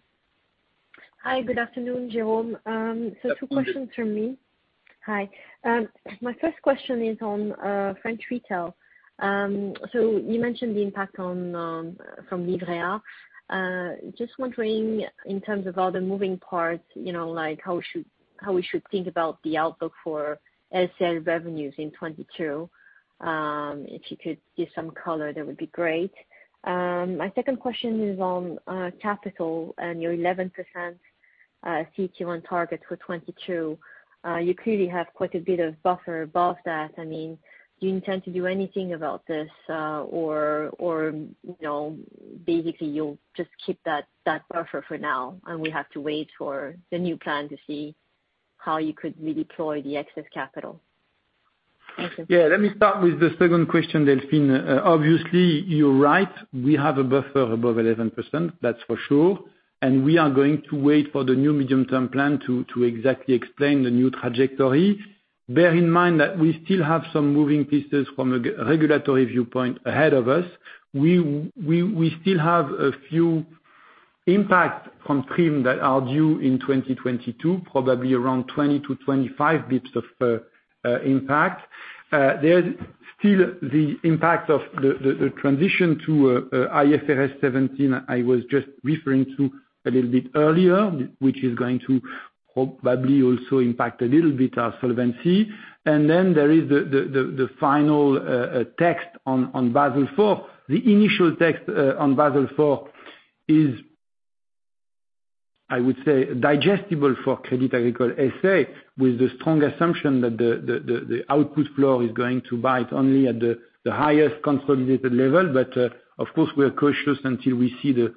Hi, good afternoon, Jérôme. Two questions from me. My first question is on French retail. You mentioned the impact from Livret A. Just wondering in terms of all the moving parts, you know, like how we should think about the outlook for LCL revenues in 2022. If you could give some color, that would be great. My second question is on capital and your 11% CET1 target for 2022. You clearly have quite a bit of buffer above that. I mean, do you intend to do anything about this, or, you know, basically you'll just keep that buffer for now, and we have to wait for the new plan to see how you could redeploy the excess capital. Thank you. Yeah, let me start with the second question, Delphine. Obviously you're right, we have a buffer above 11%, that's for sure. We are going to wait for the new medium-term plan to exactly explain the new trajectory. Bear in mind that we still have some moving pieces from a regulatory viewpoint ahead of us. We still have a few impact from TRIM that are due in 2022, probably around 20-25 basis points of impact. There's still the impact of the transition to IFRS 17, I was just referring to a little bit earlier, which is going to hopefully also impact a little bit our solvency. There is the final text on Basel IV. The initial text on Basel IV is, I would say, digestible for Crédit Agricole S.A., with the strong assumption that the output floor is going to bite only at the highest consolidated level. Of course, we are cautious until we see the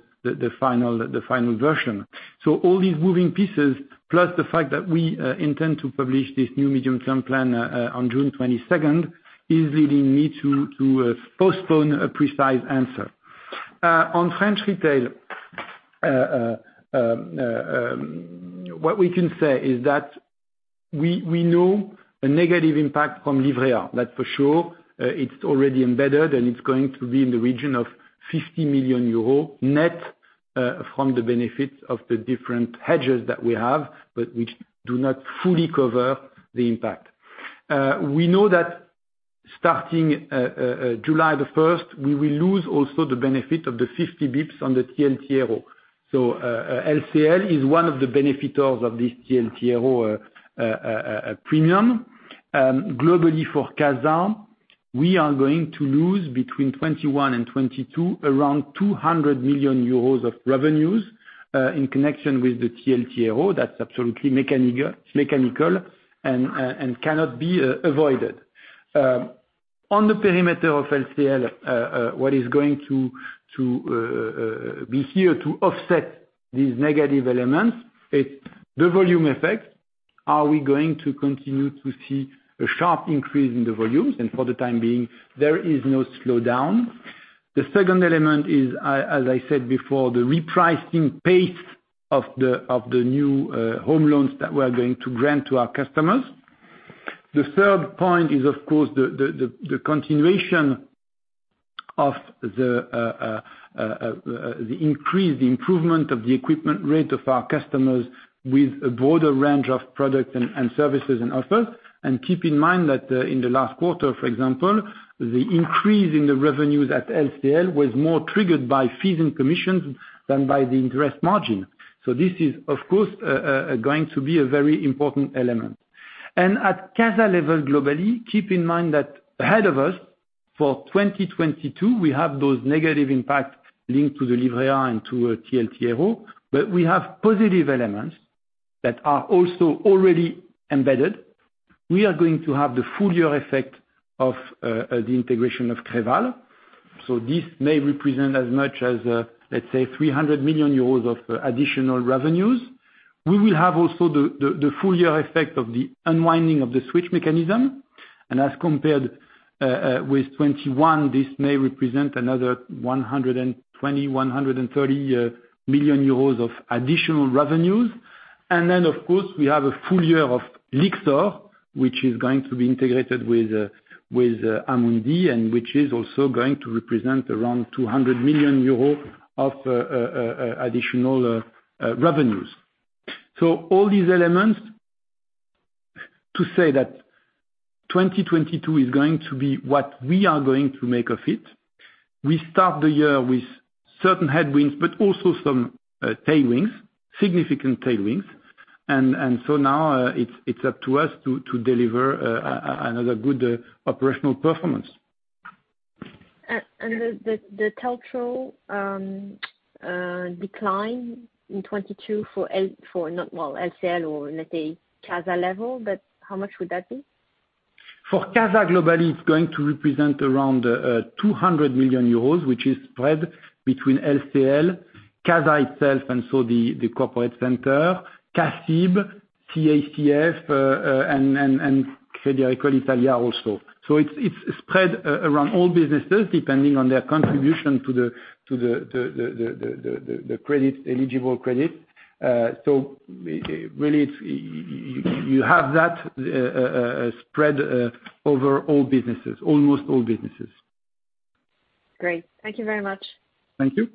final version. All these moving pieces, plus the fact that we intend to publish this new medium-term plan on June twenty-second, is leading me to postpone a precise answer. On French retail, what we can say is that we know a negative impact from Livret A, that's for sure. It's already embedded, and it's going to be in the region of 50 million euro net from the benefits of the different hedges that we have, but which do not fully cover the impact. We know that starting July 1st, we will lose also the benefit of the 50 basis points on the TLTRO. LCL is one of the beneficiaries of this TLTRO premium. Globally for CACEIS, we are going to lose between 21 and 22, around 200 million euros of revenues in connection with the TLTRO. That's absolutely mechanical and cannot be avoided. On the perimeter of LCL, what is going to be here to offset these negative elements? It's the volume effect. Are we going to continue to see a sharp increase in the volumes? For the time being, there is no slowdown. The second element is, as I said before, the repricing pace of the new home loans that we're going to grant to our customers. The third point is, of course, the continuation of the increase, the improvement of the equipment rate of our customers with a broader range of products and services and offers. Keep in mind that, in the last quarter, for example, the increase in the revenues at LCL was more triggered by fees and commissions than by the interest margin. This is, of course, going to be a very important element. At CACEIS level globally, keep in mind that ahead of us for 2022, we have those negative impacts linked to the Livret A and to TLTRO. We have positive elements that are also already embedded. We are going to have the full year effect of the integration of Creval. So this may represent as much as, let's say 300 million euros of additional revenues. We will have also the full year effect of the unwinding of the switch mechanism. As compared with 2021, this may represent another 120 million-130 million euros of additional revenues. Then, of course, we have a full year of Lyxor, which is going to be integrated with Amundi, and which is also going to represent around 200 million euro of additional revenues. All these elements to say that 2022 is going to be what we are going to make of it. We start the year with certain headwinds, but also some tailwinds, significant tailwinds, and so now, it's up to us to deliver another good operational performance. The total decline in 2022 for LCL or let's say CASA level, but how much would that be? For CASA globally, it's going to represent around 200 million euros, which is spread between LCL, CASA itself and the corporate center, CACIB, CACF, and Crédit Agricole Italia also. It's spread around all businesses depending on their contribution to the eligible credit. Really it's you have that spread over all businesses, almost all businesses. Great. Thank you very much. Thank you.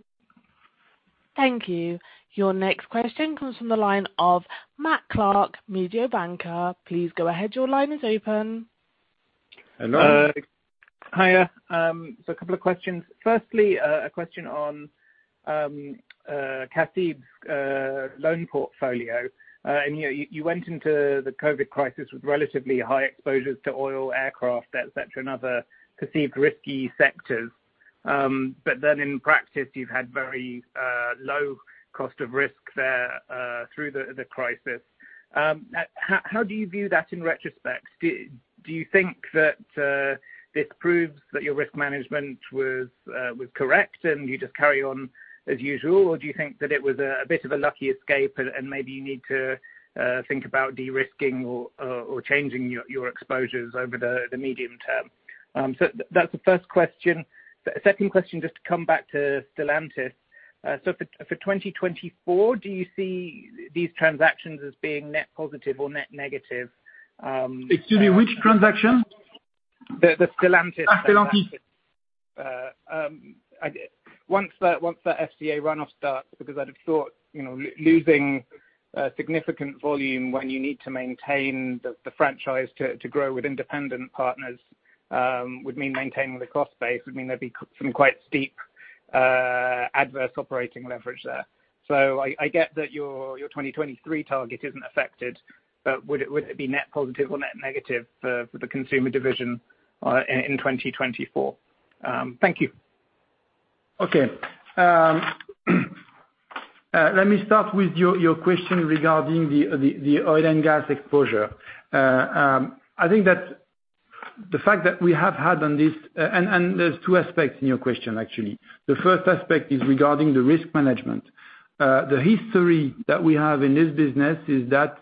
Thank you. Your next question comes from the line of Matthew Clark, Mediobanca. Please go ahead. Your line is open. Hello. Hiya. A couple of questions. Firstly, a question on CACIB's loan portfolio. You know, you went into the COVID crisis with relatively high exposures to oil, aircraft, et cetera, and other perceived risky sectors. In practice you've had very low cost of risk there through the crisis. How do you view that in retrospect? Do you think that this proves that your risk management was correct and you just carry on as usual? Do you think that it was a bit of a lucky escape and maybe you need to think about de-risking or changing your exposures over the medium term? That's the first question. Second question, just to come back to Stellantis. For 2024, do you see these transactions as being net positive or net negative? Excuse me, which transaction? The Stellantis. Stellantis. Once that FCA runoff starts, because I'd have thought, you know, losing significant volume when you need to maintain the franchise to grow with independent partners would mean maintaining the cost base, would mean there'd be some quite steep adverse operating leverage there. I get that your 2023 target isn't affected, but would it be net positive or net negative for the consumer division in 2024? Thank you. Okay. Let me start with your question regarding the oil and gas exposure. There's two aspects in your question, actually. The first aspect is regarding the risk management. The history that we have in this business is that,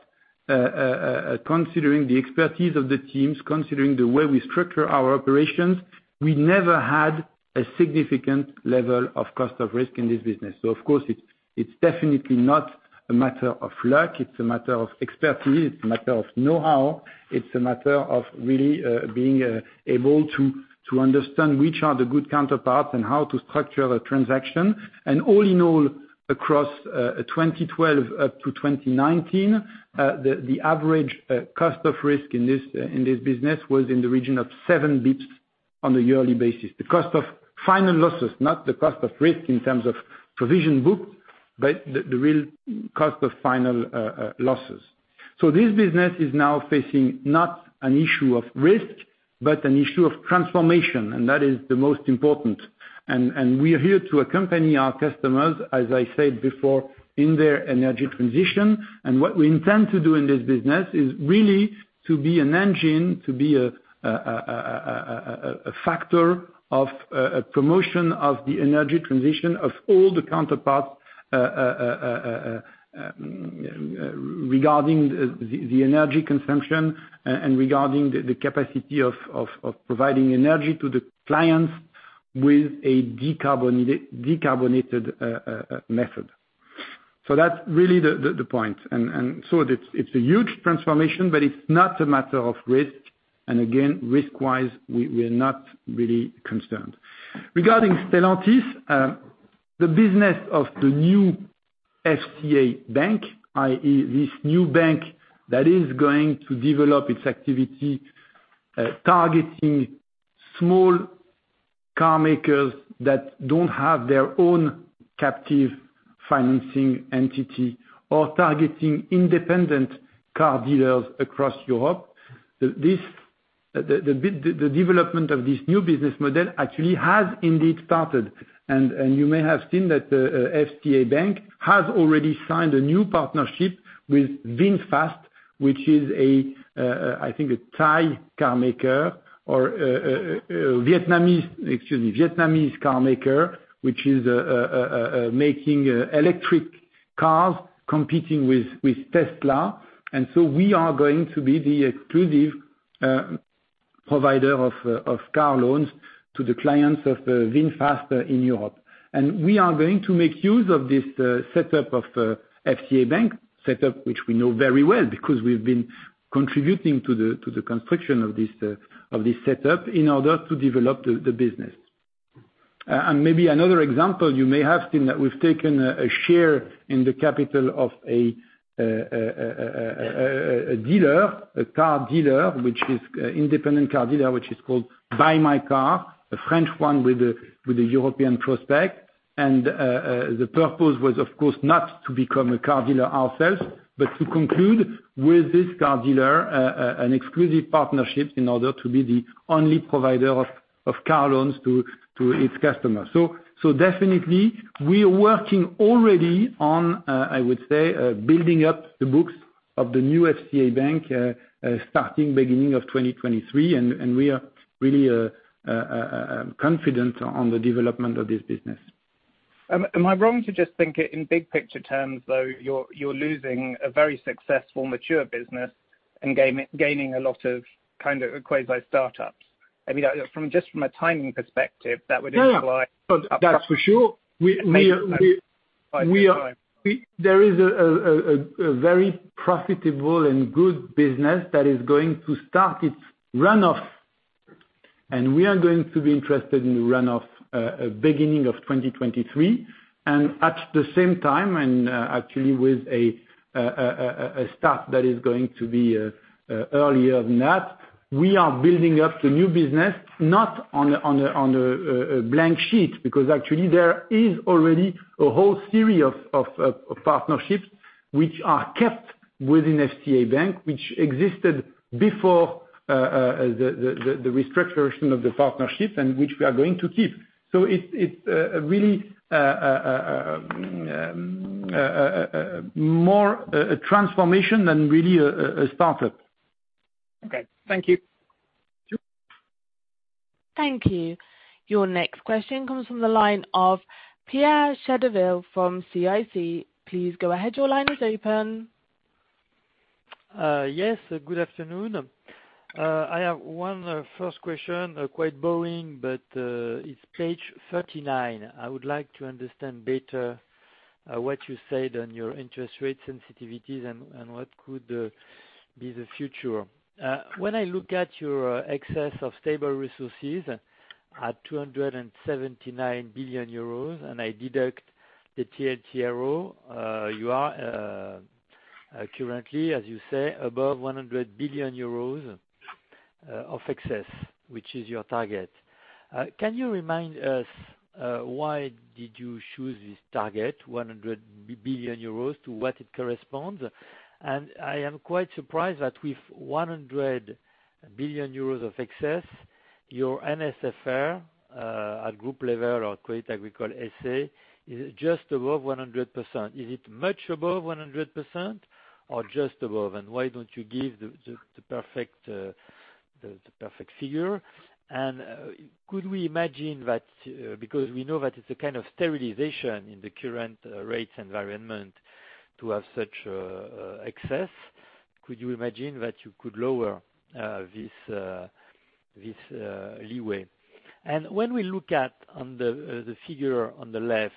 considering the expertise of the teams, considering the way we structure our operations, we never had a significant level of cost of risk in this business. So of course it's definitely not a matter of luck. It's a matter of expertise. It's a matter of know-how. It's a matter of really being able to understand which are the good counterparties and how to structure a transaction. All in all, across 2012-2019, the average cost of risk in this business was in the region of 7 basis points on a yearly basis. The cost of final losses, not the cost of risk in terms of provision book, but the real cost of final losses. This business is now facing not an issue of risk, but an issue of transformation, and that is the most important. We are here to accompany our customers, as I said before, in their energy transition. What we intend to do in this business is really to be an engine, to be a factor of a promotion of the energy transition of all the counterparts regarding the energy consumption and regarding the capacity of providing energy to the clients with a decarbonated method. That's really the point. It's a huge transformation, but it's not a matter of risk. Again, risk-wise, we're not really concerned. Regarding Stellantis, the business of the new FCA Bank, i.e., this new bank that is going to develop its activity targeting small car makers that don't have their own captive financing entity or targeting independent car dealers across Europe. The development of this new business model actually has indeed started. You may have seen that FCA Bank has already signed a new partnership with VinFast, which is, I think, a Thai carmaker or Vietnamese, excuse me, Vietnamese carmaker, which is making electric cars competing with Tesla. We are going to be the exclusive provider of car loans to the clients of VinFast in Europe. We are going to make use of this setup of FCA Bank setup, which we know very well, because we've been contributing to the construction of this setup in order to develop the business. Maybe another example, you may have seen that we've taken a share in the capital of a dealer, a car dealer, which is an independent car dealer, which is called BYmyCAR, a French one with a European prospect. The purpose was, of course, not to become a car dealer ourselves, but to conclude with this car dealer an exclusive partnership in order to be the only provider of car loans to its customers. Definitely we are working already on, I would say, building up the books of the new FCA Bank, starting beginning of 2023, and we are really confident on the development of this business. Am I wrong to just think in big picture terms, though? You're losing a very successful mature business and gaining a lot of kind of quasi start-ups? I mean, just from a timing perspective, that would imply- No, no. That's for sure. There is a very profitable and good business that is going to start its run-off, and we are going to be interested in the run-off beginning of 2023. At the same time, actually with a start that is going to be earlier than that, we are building up the new business, not on a blank sheet, because actually there is already a whole series of partnerships which are kept within FCA Bank, which existed before the restructuring of the partnerships and which we are going to keep. It's really more a transformation than really a start-up. Okay. Thank you. Sure. Thank you. Your next question comes from the line of Pierre Chédeville from CIC. Please go ahead. Your line is open. Yes. Good afternoon. I have one first question, quite boring, but it's page 39. I would like to understand better what you said on your interest rate sensitivities and what could be the future. When I look at your excess of stable resources at 279 billion euros, and I deduct the TLTRO, you are currently, as you say, above 100 billion euros of excess, which is your target. Can you remind us why did you choose this target, 100 billion euros, to what it corresponds? I am quite surprised that with 100 billion euros of excess, your NSFR at group level or Crédit Agricole S.A. is just above 100%. Is it much above 100% or just above? Why don't you give the perfect figure? Could we imagine that, because we know that it's a kind of sterilization in the current rates environment to have such excess, could you imagine that you could lower this leeway? When we look at the figure on the left,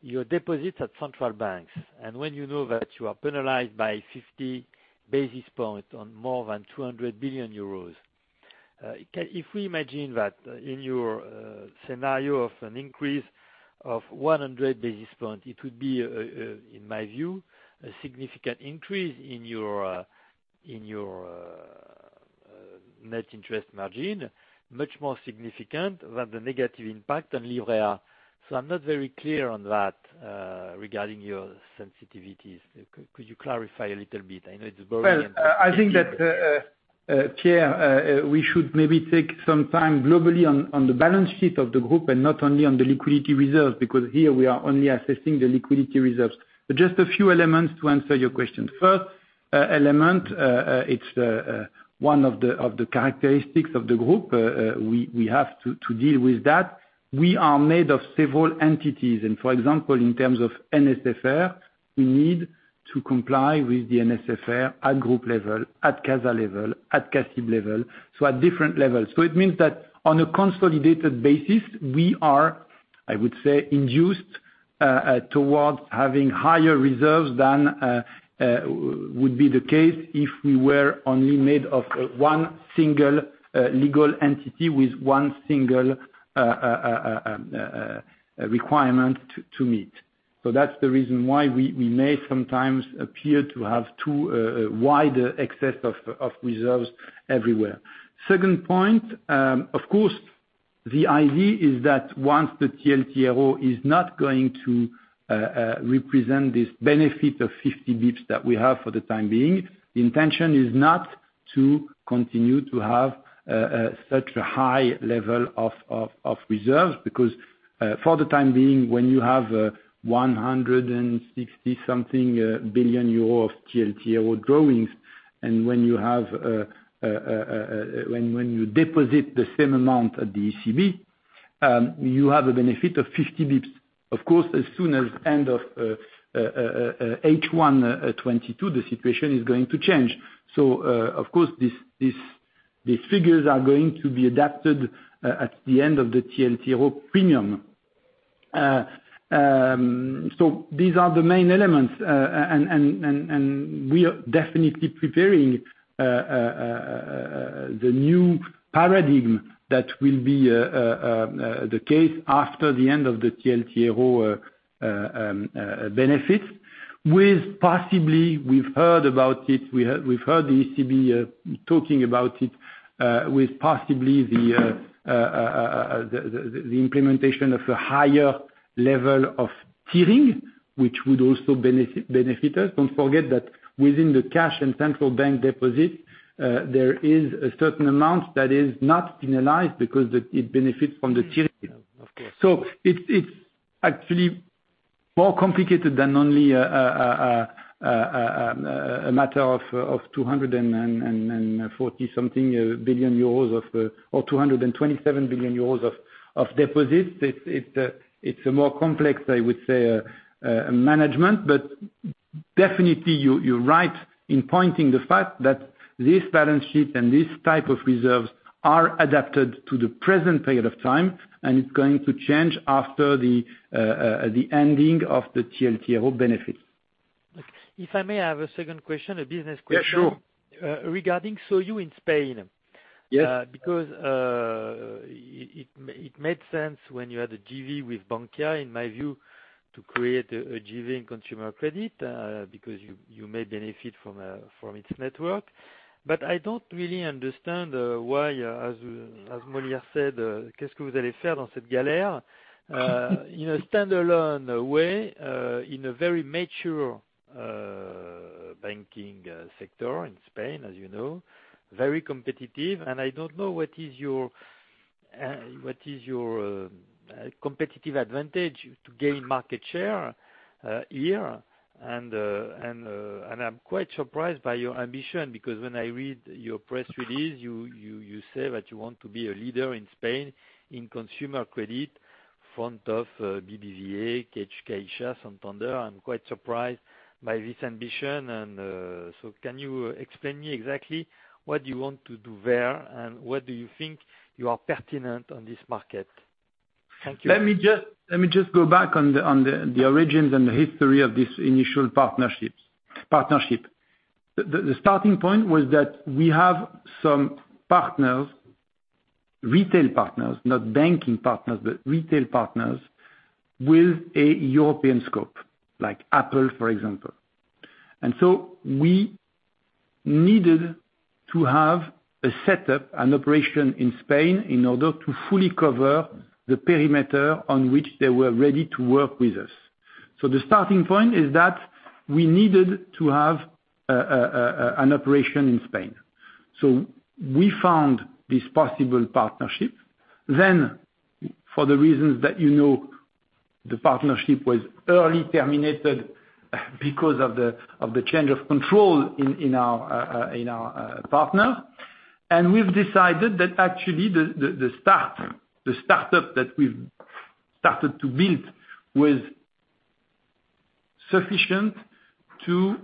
your deposits at central banks, and when you know that you are penalized by 50 basis points on more than 200 billion euros, if we imagine that in your scenario of an increase of 100 basis points, it would be, in my view, a significant increase in your net interest margin, much more significant than the negative impact on Livret. I'm not very clear on that regarding your sensitivities. Could you clarify a little bit? I know it's boring. Well, I think that, Pierre, we should maybe take some time globally on the balance sheet of the group and not only on the liquidity reserves, because here we are only assessing the liquidity reserves. Just a few elements to answer your question. First element, it's one of the characteristics of the group. We have to deal with that. We are made of several entities, and for example, in terms of NSFR, we need to comply with the NSFR at group level, at CASA level, at CACIB level, so at different levels. It means that on a consolidated basis, we are, I would say, induced towards having higher reserves than would be the case if we were only made of one single legal entity with one single requirement to meet. That's the reason why we may sometimes appear to have too wide excess of reserves everywhere. Second point, of course, the idea is that once the TLTRO is not going to represent this benefit of 50 basis points that we have for the time being, the intention is not to continue to have such a high level of reserves, because for the time being, when you have 160-something billion euro of TLTRO drawings, and when you deposit the same amount at the ECB, you have a benefit of 50 basis points. Of course, as soon as end of H1 2022, the situation is going to change. Of course these figures are going to be adapted at the end of the TLTRO premium. These are the main elements. We are definitely preparing the new paradigm that will be the case after the end of the TLTRO benefit. With possibly, we've heard about it, we've heard the ECB talking about it, with possibly the implementation of a higher level of tiering, which would also benefit us. Don't forget that within the cash and central bank deposit, there is a certain amount that is not penalized because it benefits from the tiering. Of course. It's actually more complicated than only a matter of 240-something billion euros or 227 billion euros of deposits. It's a more complex, I would say, management. But definitely you're right in pointing the fact that this balance sheet and this type of reserves are adapted to the present period of time, and it's going to change after the ending of the TLTRO benefit. If I may, I have a second question, a business question. Yeah, sure. Regarding Sofinco in Spain. Yes. Because it made sense when you had a JV with Bankia, in my view, to create a JV in consumer credit, because you may benefit from its network. I don't really understand why, as Molière said, in a standalone way, in a very mature banking sector in Spain, as you know, very competitive. I don't know what is your competitive advantage to gain market share here? I'm quite surprised by your ambition, because when I read your press release, you say that you want to be a leader in Spain in consumer credit in front of BBVA, CaixaBank, Santander. I'm quite surprised by this ambition. Can you explain me exactly what you want to do there, and what do you think you are pertinent on this market? Thank you. Let me go back on the origins and the history of this initial partnership. The starting point was that we have some partners, retail partners, not banking partners, but retail partners with a European scope, like Apple, for example. We needed to have a setup and operation in Spain in order to fully cover the perimeter on which they were ready to work with us. The starting point is that we needed to have an operation in Spain. We found this possible partnership. For the reasons that you know, the partnership was early terminated because of the change of control in our partner. We've decided that actually the startup that we've started to build was sufficient to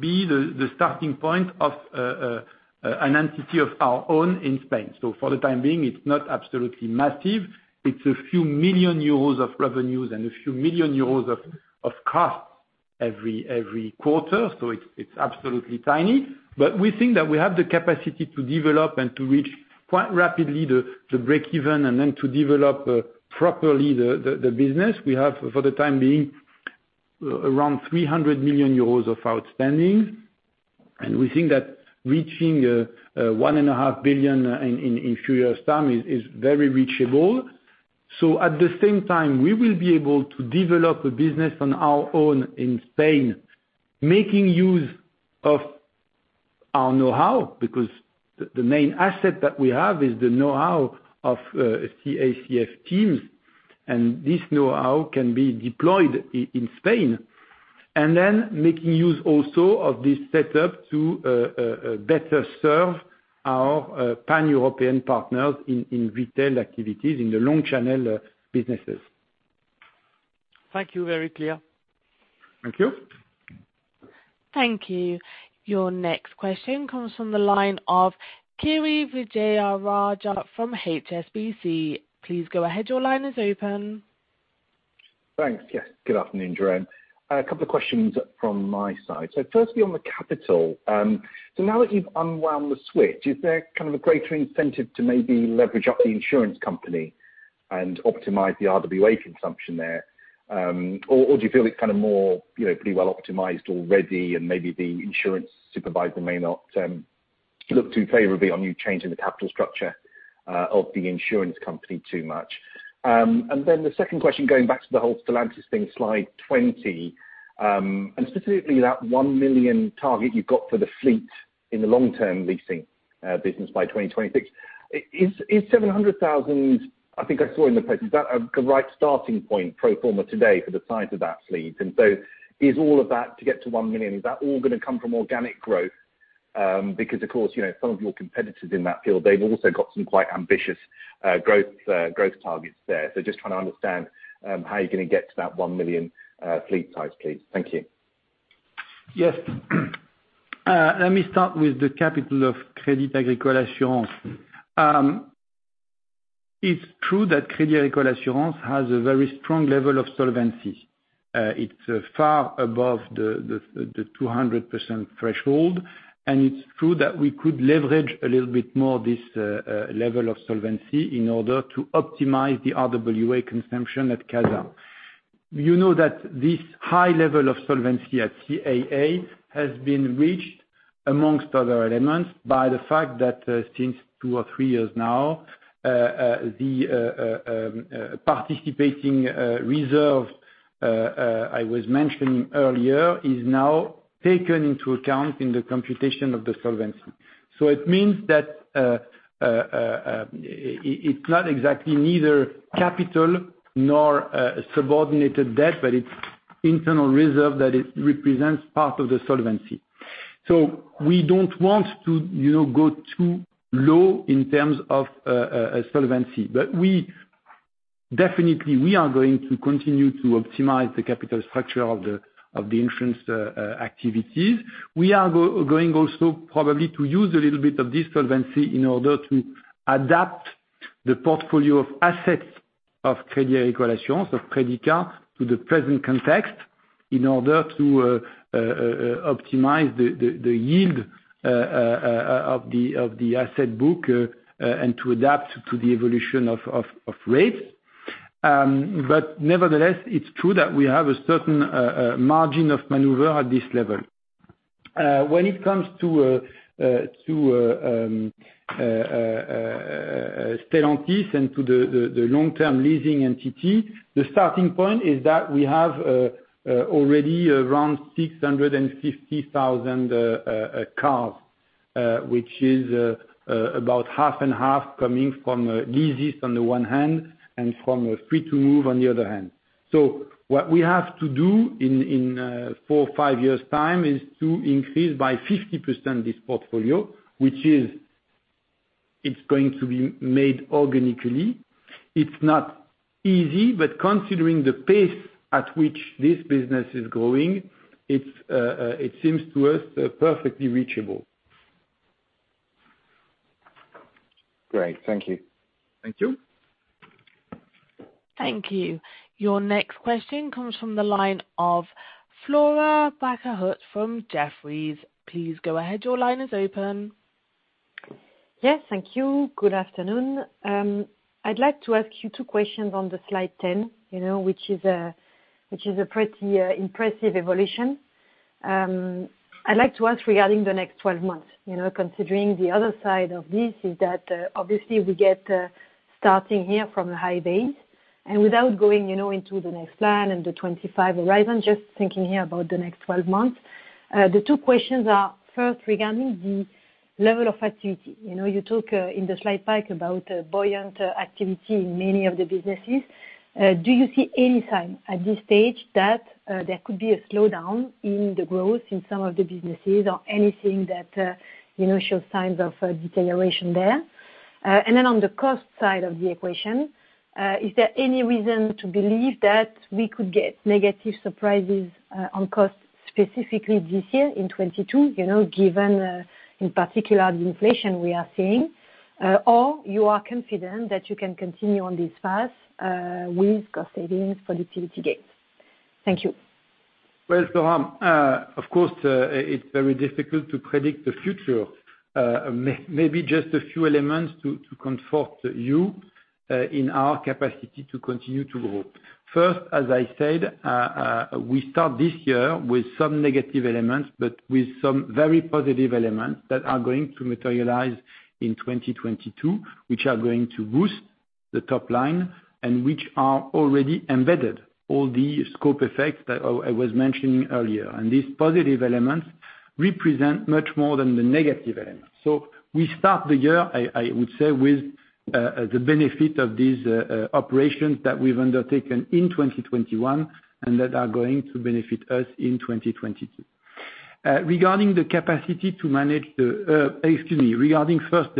be the starting point of an entity of our own in Spain. For the time being, it's not absolutely massive. It's a few million EUR of revenues and a few million EUR of costs every quarter. It's absolutely tiny. We think that we have the capacity to develop and to reach quite rapidly the breakeven and then to develop properly the business. We have for the time being around 300 million euros of outstanding, and we think that reaching 1.5 billion in a few years time is very reachable. at the same time, we will be able to develop a business on our own in Spain, making use of our know-how, because the main asset that we have is the know-how of CACF teams, and this know-how can be deployed in Spain. Making use also of this setup to better serve our Pan-European partners in retail activities in the long channel businesses. Thank you. Very clear. Thank you. Thank you. Your next question comes from the line of Kiri Vijayarajah from HSBC. Please go ahead. Your line is open. Thanks. Yes. Good afternoon, Jérôme. A couple of questions from my side. Firstly, on the capital, now that you've unwound the switch, is there kind of a greater incentive to maybe leverage up the insurance company and optimize the RWA consumption there? Or do you feel it's kind of more, you know, pretty well optimized already and maybe the insurance supervisor may not look too favorably on you changing the capital structure of the insurance company too much. The second question, going back to the whole Stellantis thing, slide 20, and specifically that 1 million target you've got for the fleet in the long-term leasing business by 2026. Is 700,000, I think I saw in the pitch, the right starting point pro forma today for the size of that fleet? Is all of that to get to 1 million, is that all gonna come from organic growth? Because, of course, you know, some of your competitors in that field, they've also got some quite ambitious growth targets there. Just trying to understand how you're gonna get to that 1 million fleet size, please. Thank you. Yes. Let me start with the capital of Crédit Agricole Assurances. It's true that Crédit Agricole Assurances has a very strong level of solvency. It's far above the 200% threshold, and it's true that we could leverage a little bit more this level of solvency in order to optimize the RWA consumption at CASA. You know that this high level of solvency at CAA has been reached, amongst other elements, by the fact that since two or three years now, the participating reserve I was mentioning earlier is now taken into account in the computation of the solvency. It means that it's not exactly neither capital nor subordinated debt, but it's internal reserve that it represents part of the solvency. We don't want to, you know, go too low in terms of solvency. We definitely are going to continue to optimize the capital structure of the insurance activities. We are going also probably to use a little bit of this solvency in order to adapt the portfolio of assets of Crédit Agricole Assurances, of Predica, to the present context in order to optimize the yield of the asset book, and to adapt to the evolution of rates. Nevertheless, it's true that we have a certain margin of maneuver at this level. When it comes to Stellantis and to the long-term leasing entity, the starting point is that we have already around 650,000 cars, which is about half and half coming from Leasys on the one hand, and from Free2move on the other hand. What we have to do in four or five years' time is to increase by 50% this portfolio, which is going to be made organically. It's not easy, but considering the pace at which this business is growing, it seems to us perfectly reachable. Great. Thank you. Thank you. Thank you. Your next question comes from the line of Flora Bocahut from Jefferies. Please go ahead. Your line is open. Yes, thank you. Good afternoon. I'd like to ask you two questions on slide 10, you know, which is a pretty impressive evolution. I'd like to ask regarding the next 12 months, you know, considering the other side of this is that obviously we get starting here from a high base. Without going, you know, into the next plan and the 2025 horizon, just thinking here about the next 12 months, the two questions are first regarding the level of activity. You know, you talk in the slide pack about a buoyant activity in many of the businesses. Do you see any sign at this stage that there could be a slowdown in the growth in some of the businesses or anything that you know shows signs of deterioration there? On the cost side of the equation, is there any reason to believe that we could get negative surprises on costs specifically this year in 2022, you know, given in particular the inflation we are seeing, or you are confident that you can continue on this path with cost savings productivity gains? Thank you. Well, Flora, of course, it's very difficult to predict the future. Maybe just a few elements to comfort you in our capacity to continue to grow. First, as I said, we start this year with some negative elements, but with some very positive elements that are going to materialize in 2022, which are going to boost the top line and which are already embedded, all the scope effects that I was mentioning earlier. These positive elements represent much more than the negative elements. We start the year, I would say, with the benefit of these operations that we've undertaken in 2021 and that are going to benefit us in 2022. Regarding first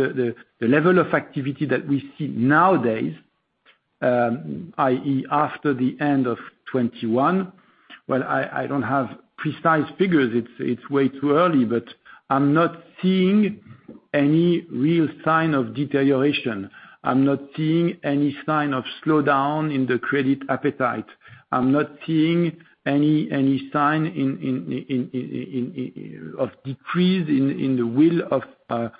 the level of activity that we see nowadays, i.e., after the end of 2021, I don't have precise figures. It's way too early, but I'm not seeing any real sign of deterioration. I'm not seeing any sign of slowdown in the credit appetite. I'm not seeing any sign of decrease in the will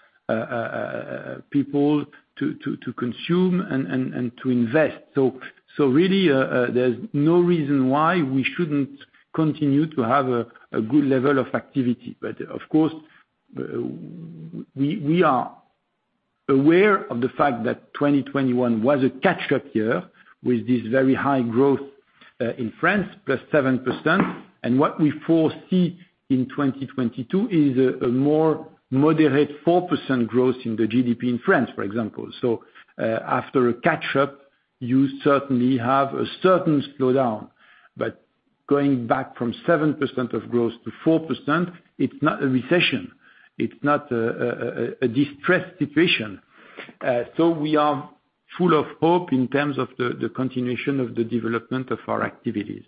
of people to consume and to invest. There's no reason why we shouldn't continue to have a good level of activity. Of course, we are aware of the fact that 2021 was a catch-up year with this very high growth in France, +7%, and what we foresee in 2022 is a more moderate 4% growth in the GDP in France, for example. After a catch-up, you certainly have a certain slowdown. Going back from 7% growth to 4%, it's not a recession. It's not a distressed situation. We are full of hope in terms of the continuation of the development of our activities.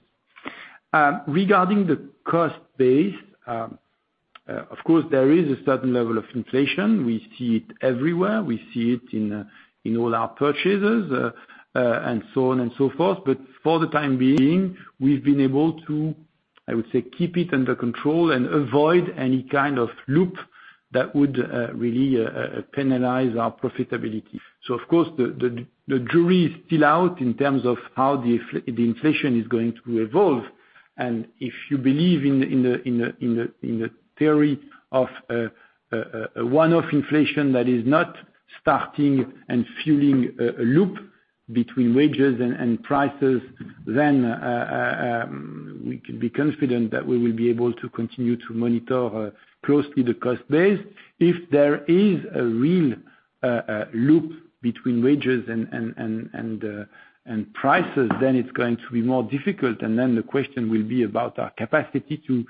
Regarding the cost base, of course there is a certain level of inflation. We see it everywhere. We see it in all our purchases and so on and so forth. For the time being, we've been able to, I would say, keep it under control and avoid any kind of loop that would really penalize our profitability. Of course the jury is still out in terms of how the inflation is going to evolve. If you believe in the theory of a one-off inflation that is not starting and fueling a loop between wages and prices, then we can be confident that we will be able to continue to monitor closely the cost base. If there is a real loop between wages and prices, then it's going to be more difficult, and then the question will be about our capacity to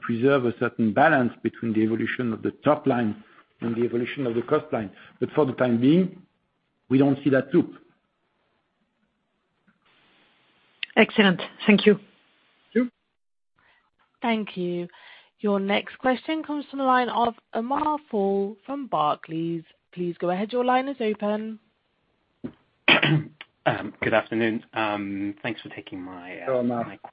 preserve a certain balance between the evolution of the top line and the evolution of the cost line. But for the time being, we don't see that loop. Excellent. Thank you. Sure. Thank you. Your next question comes from the line of Amit Goel from Barclays. Please go ahead, your line is open. Good afternoon. Thanks for taking my Hello, Amit My question.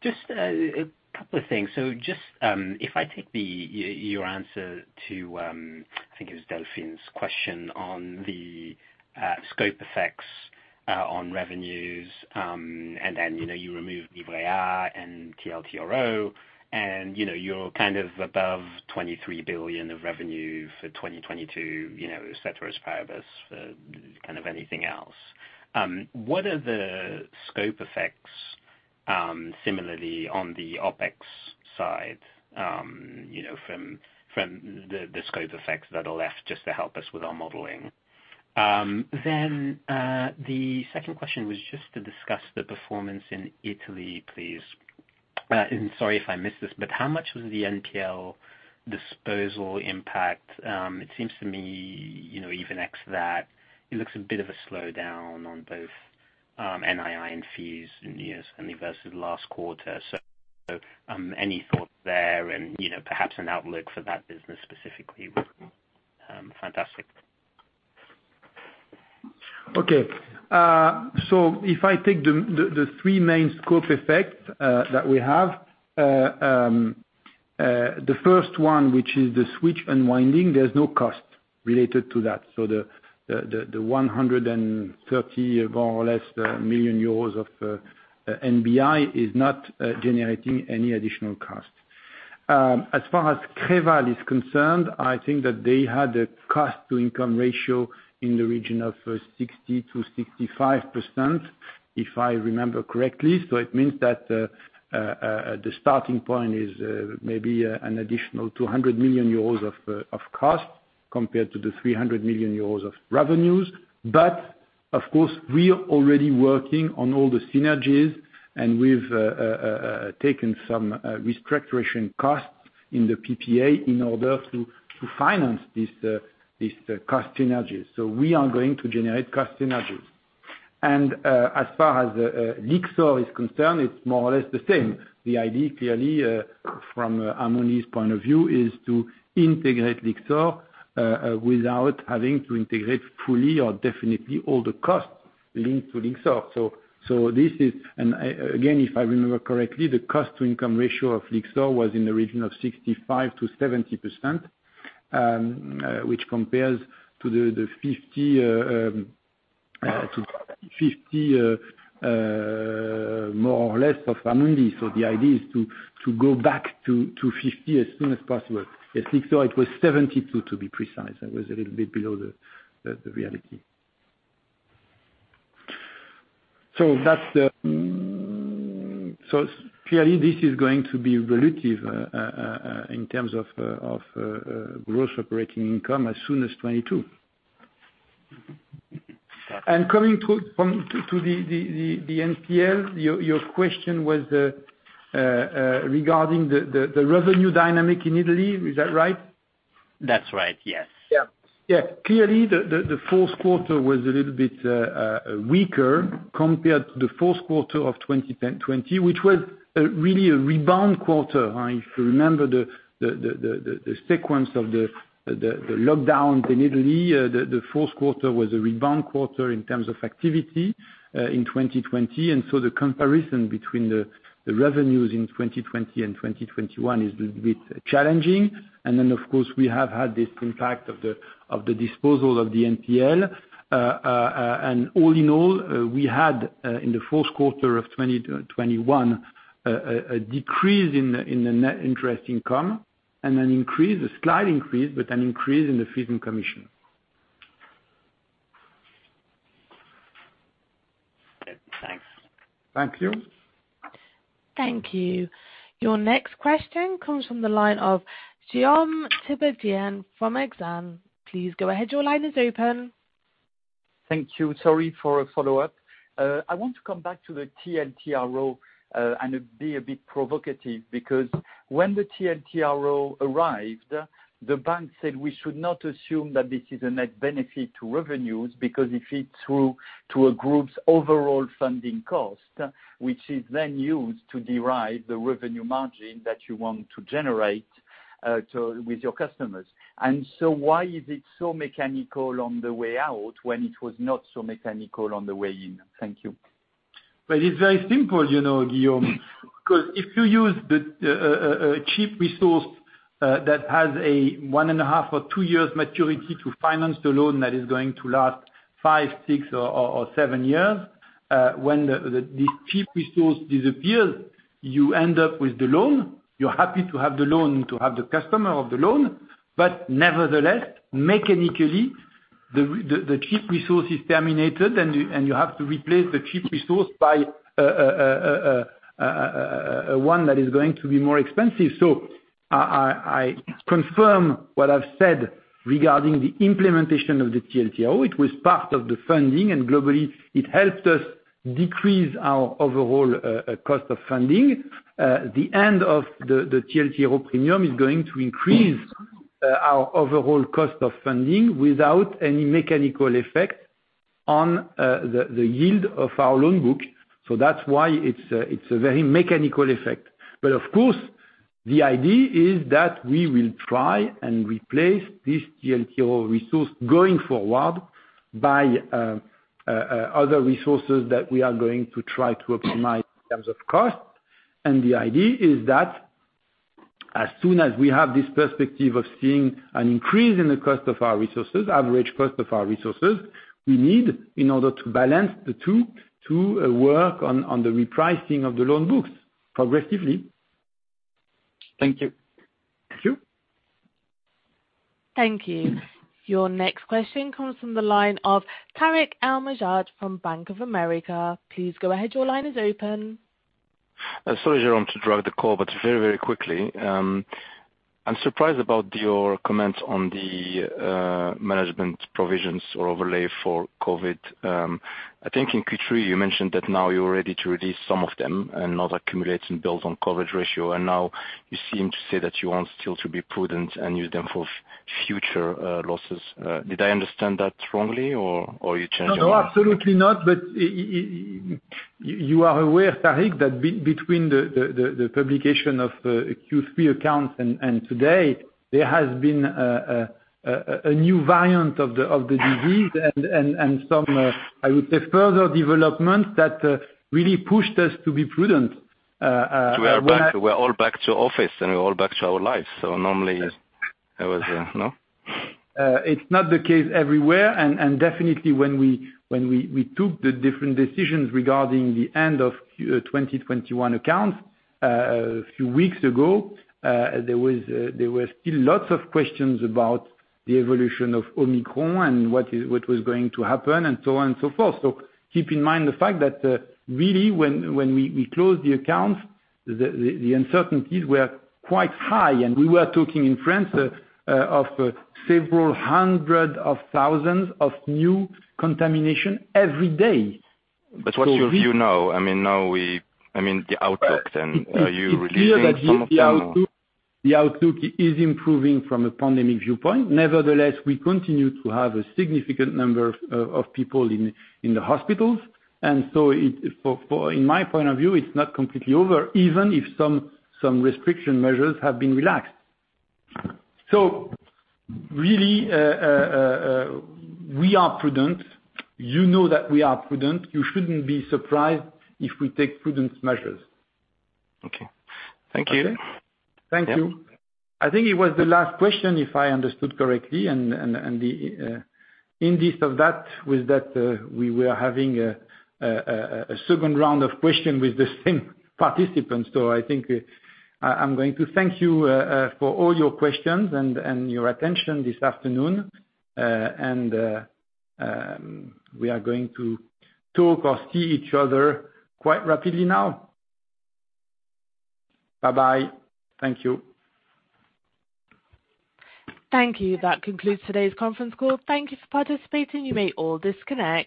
Just a couple of things. Just if I take your answer to, I think it was Delphine's question on the scope effects on revenues, and then, you know, you remove Livret A and TLTRO, and, you know, you're kind of above 23 billion of revenue for 2022, you know, et cetera as part of this for kind of anything else. What are the scope effects similarly on the OpEx side, you know, from the scope effects that are left, just to help us with our modeling? The second question was just to discuss the performance in Italy, please. And sorry if I missed this, but how much was the NPL disposal impact? It seems to me, you know, even ex that, it looks a bit of a slowdown on both, NII and fees, yes, I mean, versus last quarter. Any thoughts there and, you know, perhaps an outlook for that business specifically would be fantastic. Okay. If I take the three main scope effects that we have, the first one, which is the switch unwinding, there's no cost related to that. The 130, more or less, million euros of NBI is not generating any additional cost. As far as Creval is concerned, I think that they had a cost-to-income ratio in the region of 60%-65%, if I remember correctly. It means that the starting point is maybe an additional 200 million euros of cost compared to the 300 million euros of revenues. Of course, we're already working on all the synergies, and we've taken some restructuring costs in the PPA in order to finance this cost synergies. We are going to generate cost synergies. As far as Lyxor is concerned, it's more or less the same. The idea clearly from Amundi's point of view is to integrate Lyxor without having to integrate fully or definitely all the costs linked to Lyxor. This is. Again, if I remember correctly, the cost-to-income ratio of Lyxor was in the region of 65%-70%, which compares to the 50 more or less of Amundi. The idea is to go back to 50 as soon as possible. At Lyxor it was 72, to be precise. I was a little bit below the reality. Clearly this is going to be dilutive in terms of gross operating income as soon as 2022. Coming to the NPL, your question was regarding the revenue dynamic in Italy. Is that right? That's right, yes. Clearly the fourth quarter was a little bit weaker compared to the fourth quarter of 2020, which was really a rebound quarter, if you remember the sequence of the lockdown in Italy. The fourth quarter was a rebound quarter in terms of activity in 2020. The comparison between the revenues in 2020 and 2021 is a little bit challenging. Of course, we have had this impact of the disposal of the NPL. All in all, we had in the fourth quarter of 2021 a decrease in the net interest income, and a slight increase, but an increase in the fees and commissions. Thanks. Thank you. Thank you. Your next question comes from the line of Guillaume Tiberghien from Exane. Please go ahead. Your line is open. Thank you. Sorry for a follow-up. I want to come back to the TLTRO, and it be a bit provocative, because when the TLTRO arrived, the bank said we should not assume that this is a net benefit to revenues because it feeds through to a group's overall funding cost, which is then used to derive the revenue margin that you want to generate with your customers. Why is it so mechanical on the way out when it was not so mechanical on the way in? Thank you. It's very simple, you know, Guillaume. 'Cause if you use the cheap resource that has a one and a half or two years maturity to finance the loan that is going to last five, six, or seven years, when the cheap resource disappears, you end up with the loan. You're happy to have the loan, to have the customer of the loan, but nevertheless, mechanically, the cheap resource is terminated and you have to replace the cheap resource by a one that is going to be more expensive. I confirm what I've said regarding the implementation of the TLTRO. It was part of the funding, and globally it helped us decrease our overall cost of funding. The end of the TLTRO premium is going to increase our overall cost of funding without any mechanical effect on the yield of our loan book, so that's why it's a very mechanical effect. But of course, the idea is that we will try and replace this TLTRO resource going forward by other resources that we are going to try to optimize in terms of cost. The idea is that as soon as we have this perspective of seeing an increase in the cost of our resources, average cost of our resources, we need in order to balance the two to work on the repricing of the loan books progressively. Thank you. Thank you. Thank you. Your next question comes from the line of Tarik El Mejjad from Bank of America. Please go ahead. Your line is open. Sorry, Jérôme, to drag the call, but very, very quickly, I'm surprised about your comments on the management provisions or overlay for COVID. I think in Q3 you mentioned that now you're ready to release some of them and not accumulate and build on coverage ratio, and now you seem to say that you want still to be prudent and use them for future losses. Did I understand that wrongly or you changed your mind? No, absolutely not. You are aware, Tarik, that between the publication of Q3 accounts and today, there has been a new variant of the disease and some further developments that really pushed us to be prudent when I We are back. We're all back to office, and we're all back to our lives, so normally I was, no? It's not the case everywhere and definitely when we took the different decisions regarding the end of Q4 2021 accounts a few weeks ago, there were still lots of questions about the evolution of Omicron and what was going to happen and so on and so forth. Keep in mind the fact that really when we closed the accounts, the uncertainties were quite high, and we were talking in France of several hundred thousand new contamination every day. We What's your view now? I mean, the outlook then. Are you releasing some of them or- It's clear that the outlook is improving from a pandemic viewpoint. Nevertheless, we continue to have a significant number of people in the hospitals. In my point of view, it's not completely over, even if some restriction measures have been relaxed. Really, we are prudent. You know that we are prudent. You shouldn't be surprised if we take prudent measures. Okay. Thank you. Okay? Thank you. Yeah. I think it was the last question, if I understood correctly, and the indication of that was that we were having a second round of questions with the same participant. I think I'm going to thank you for all your questions and your attention this afternoon, and we are going to talk or see each other quite rapidly now. Bye-bye. Thank you. Thank you. That concludes today's conference call. Thank you for participating. You may all disconnect.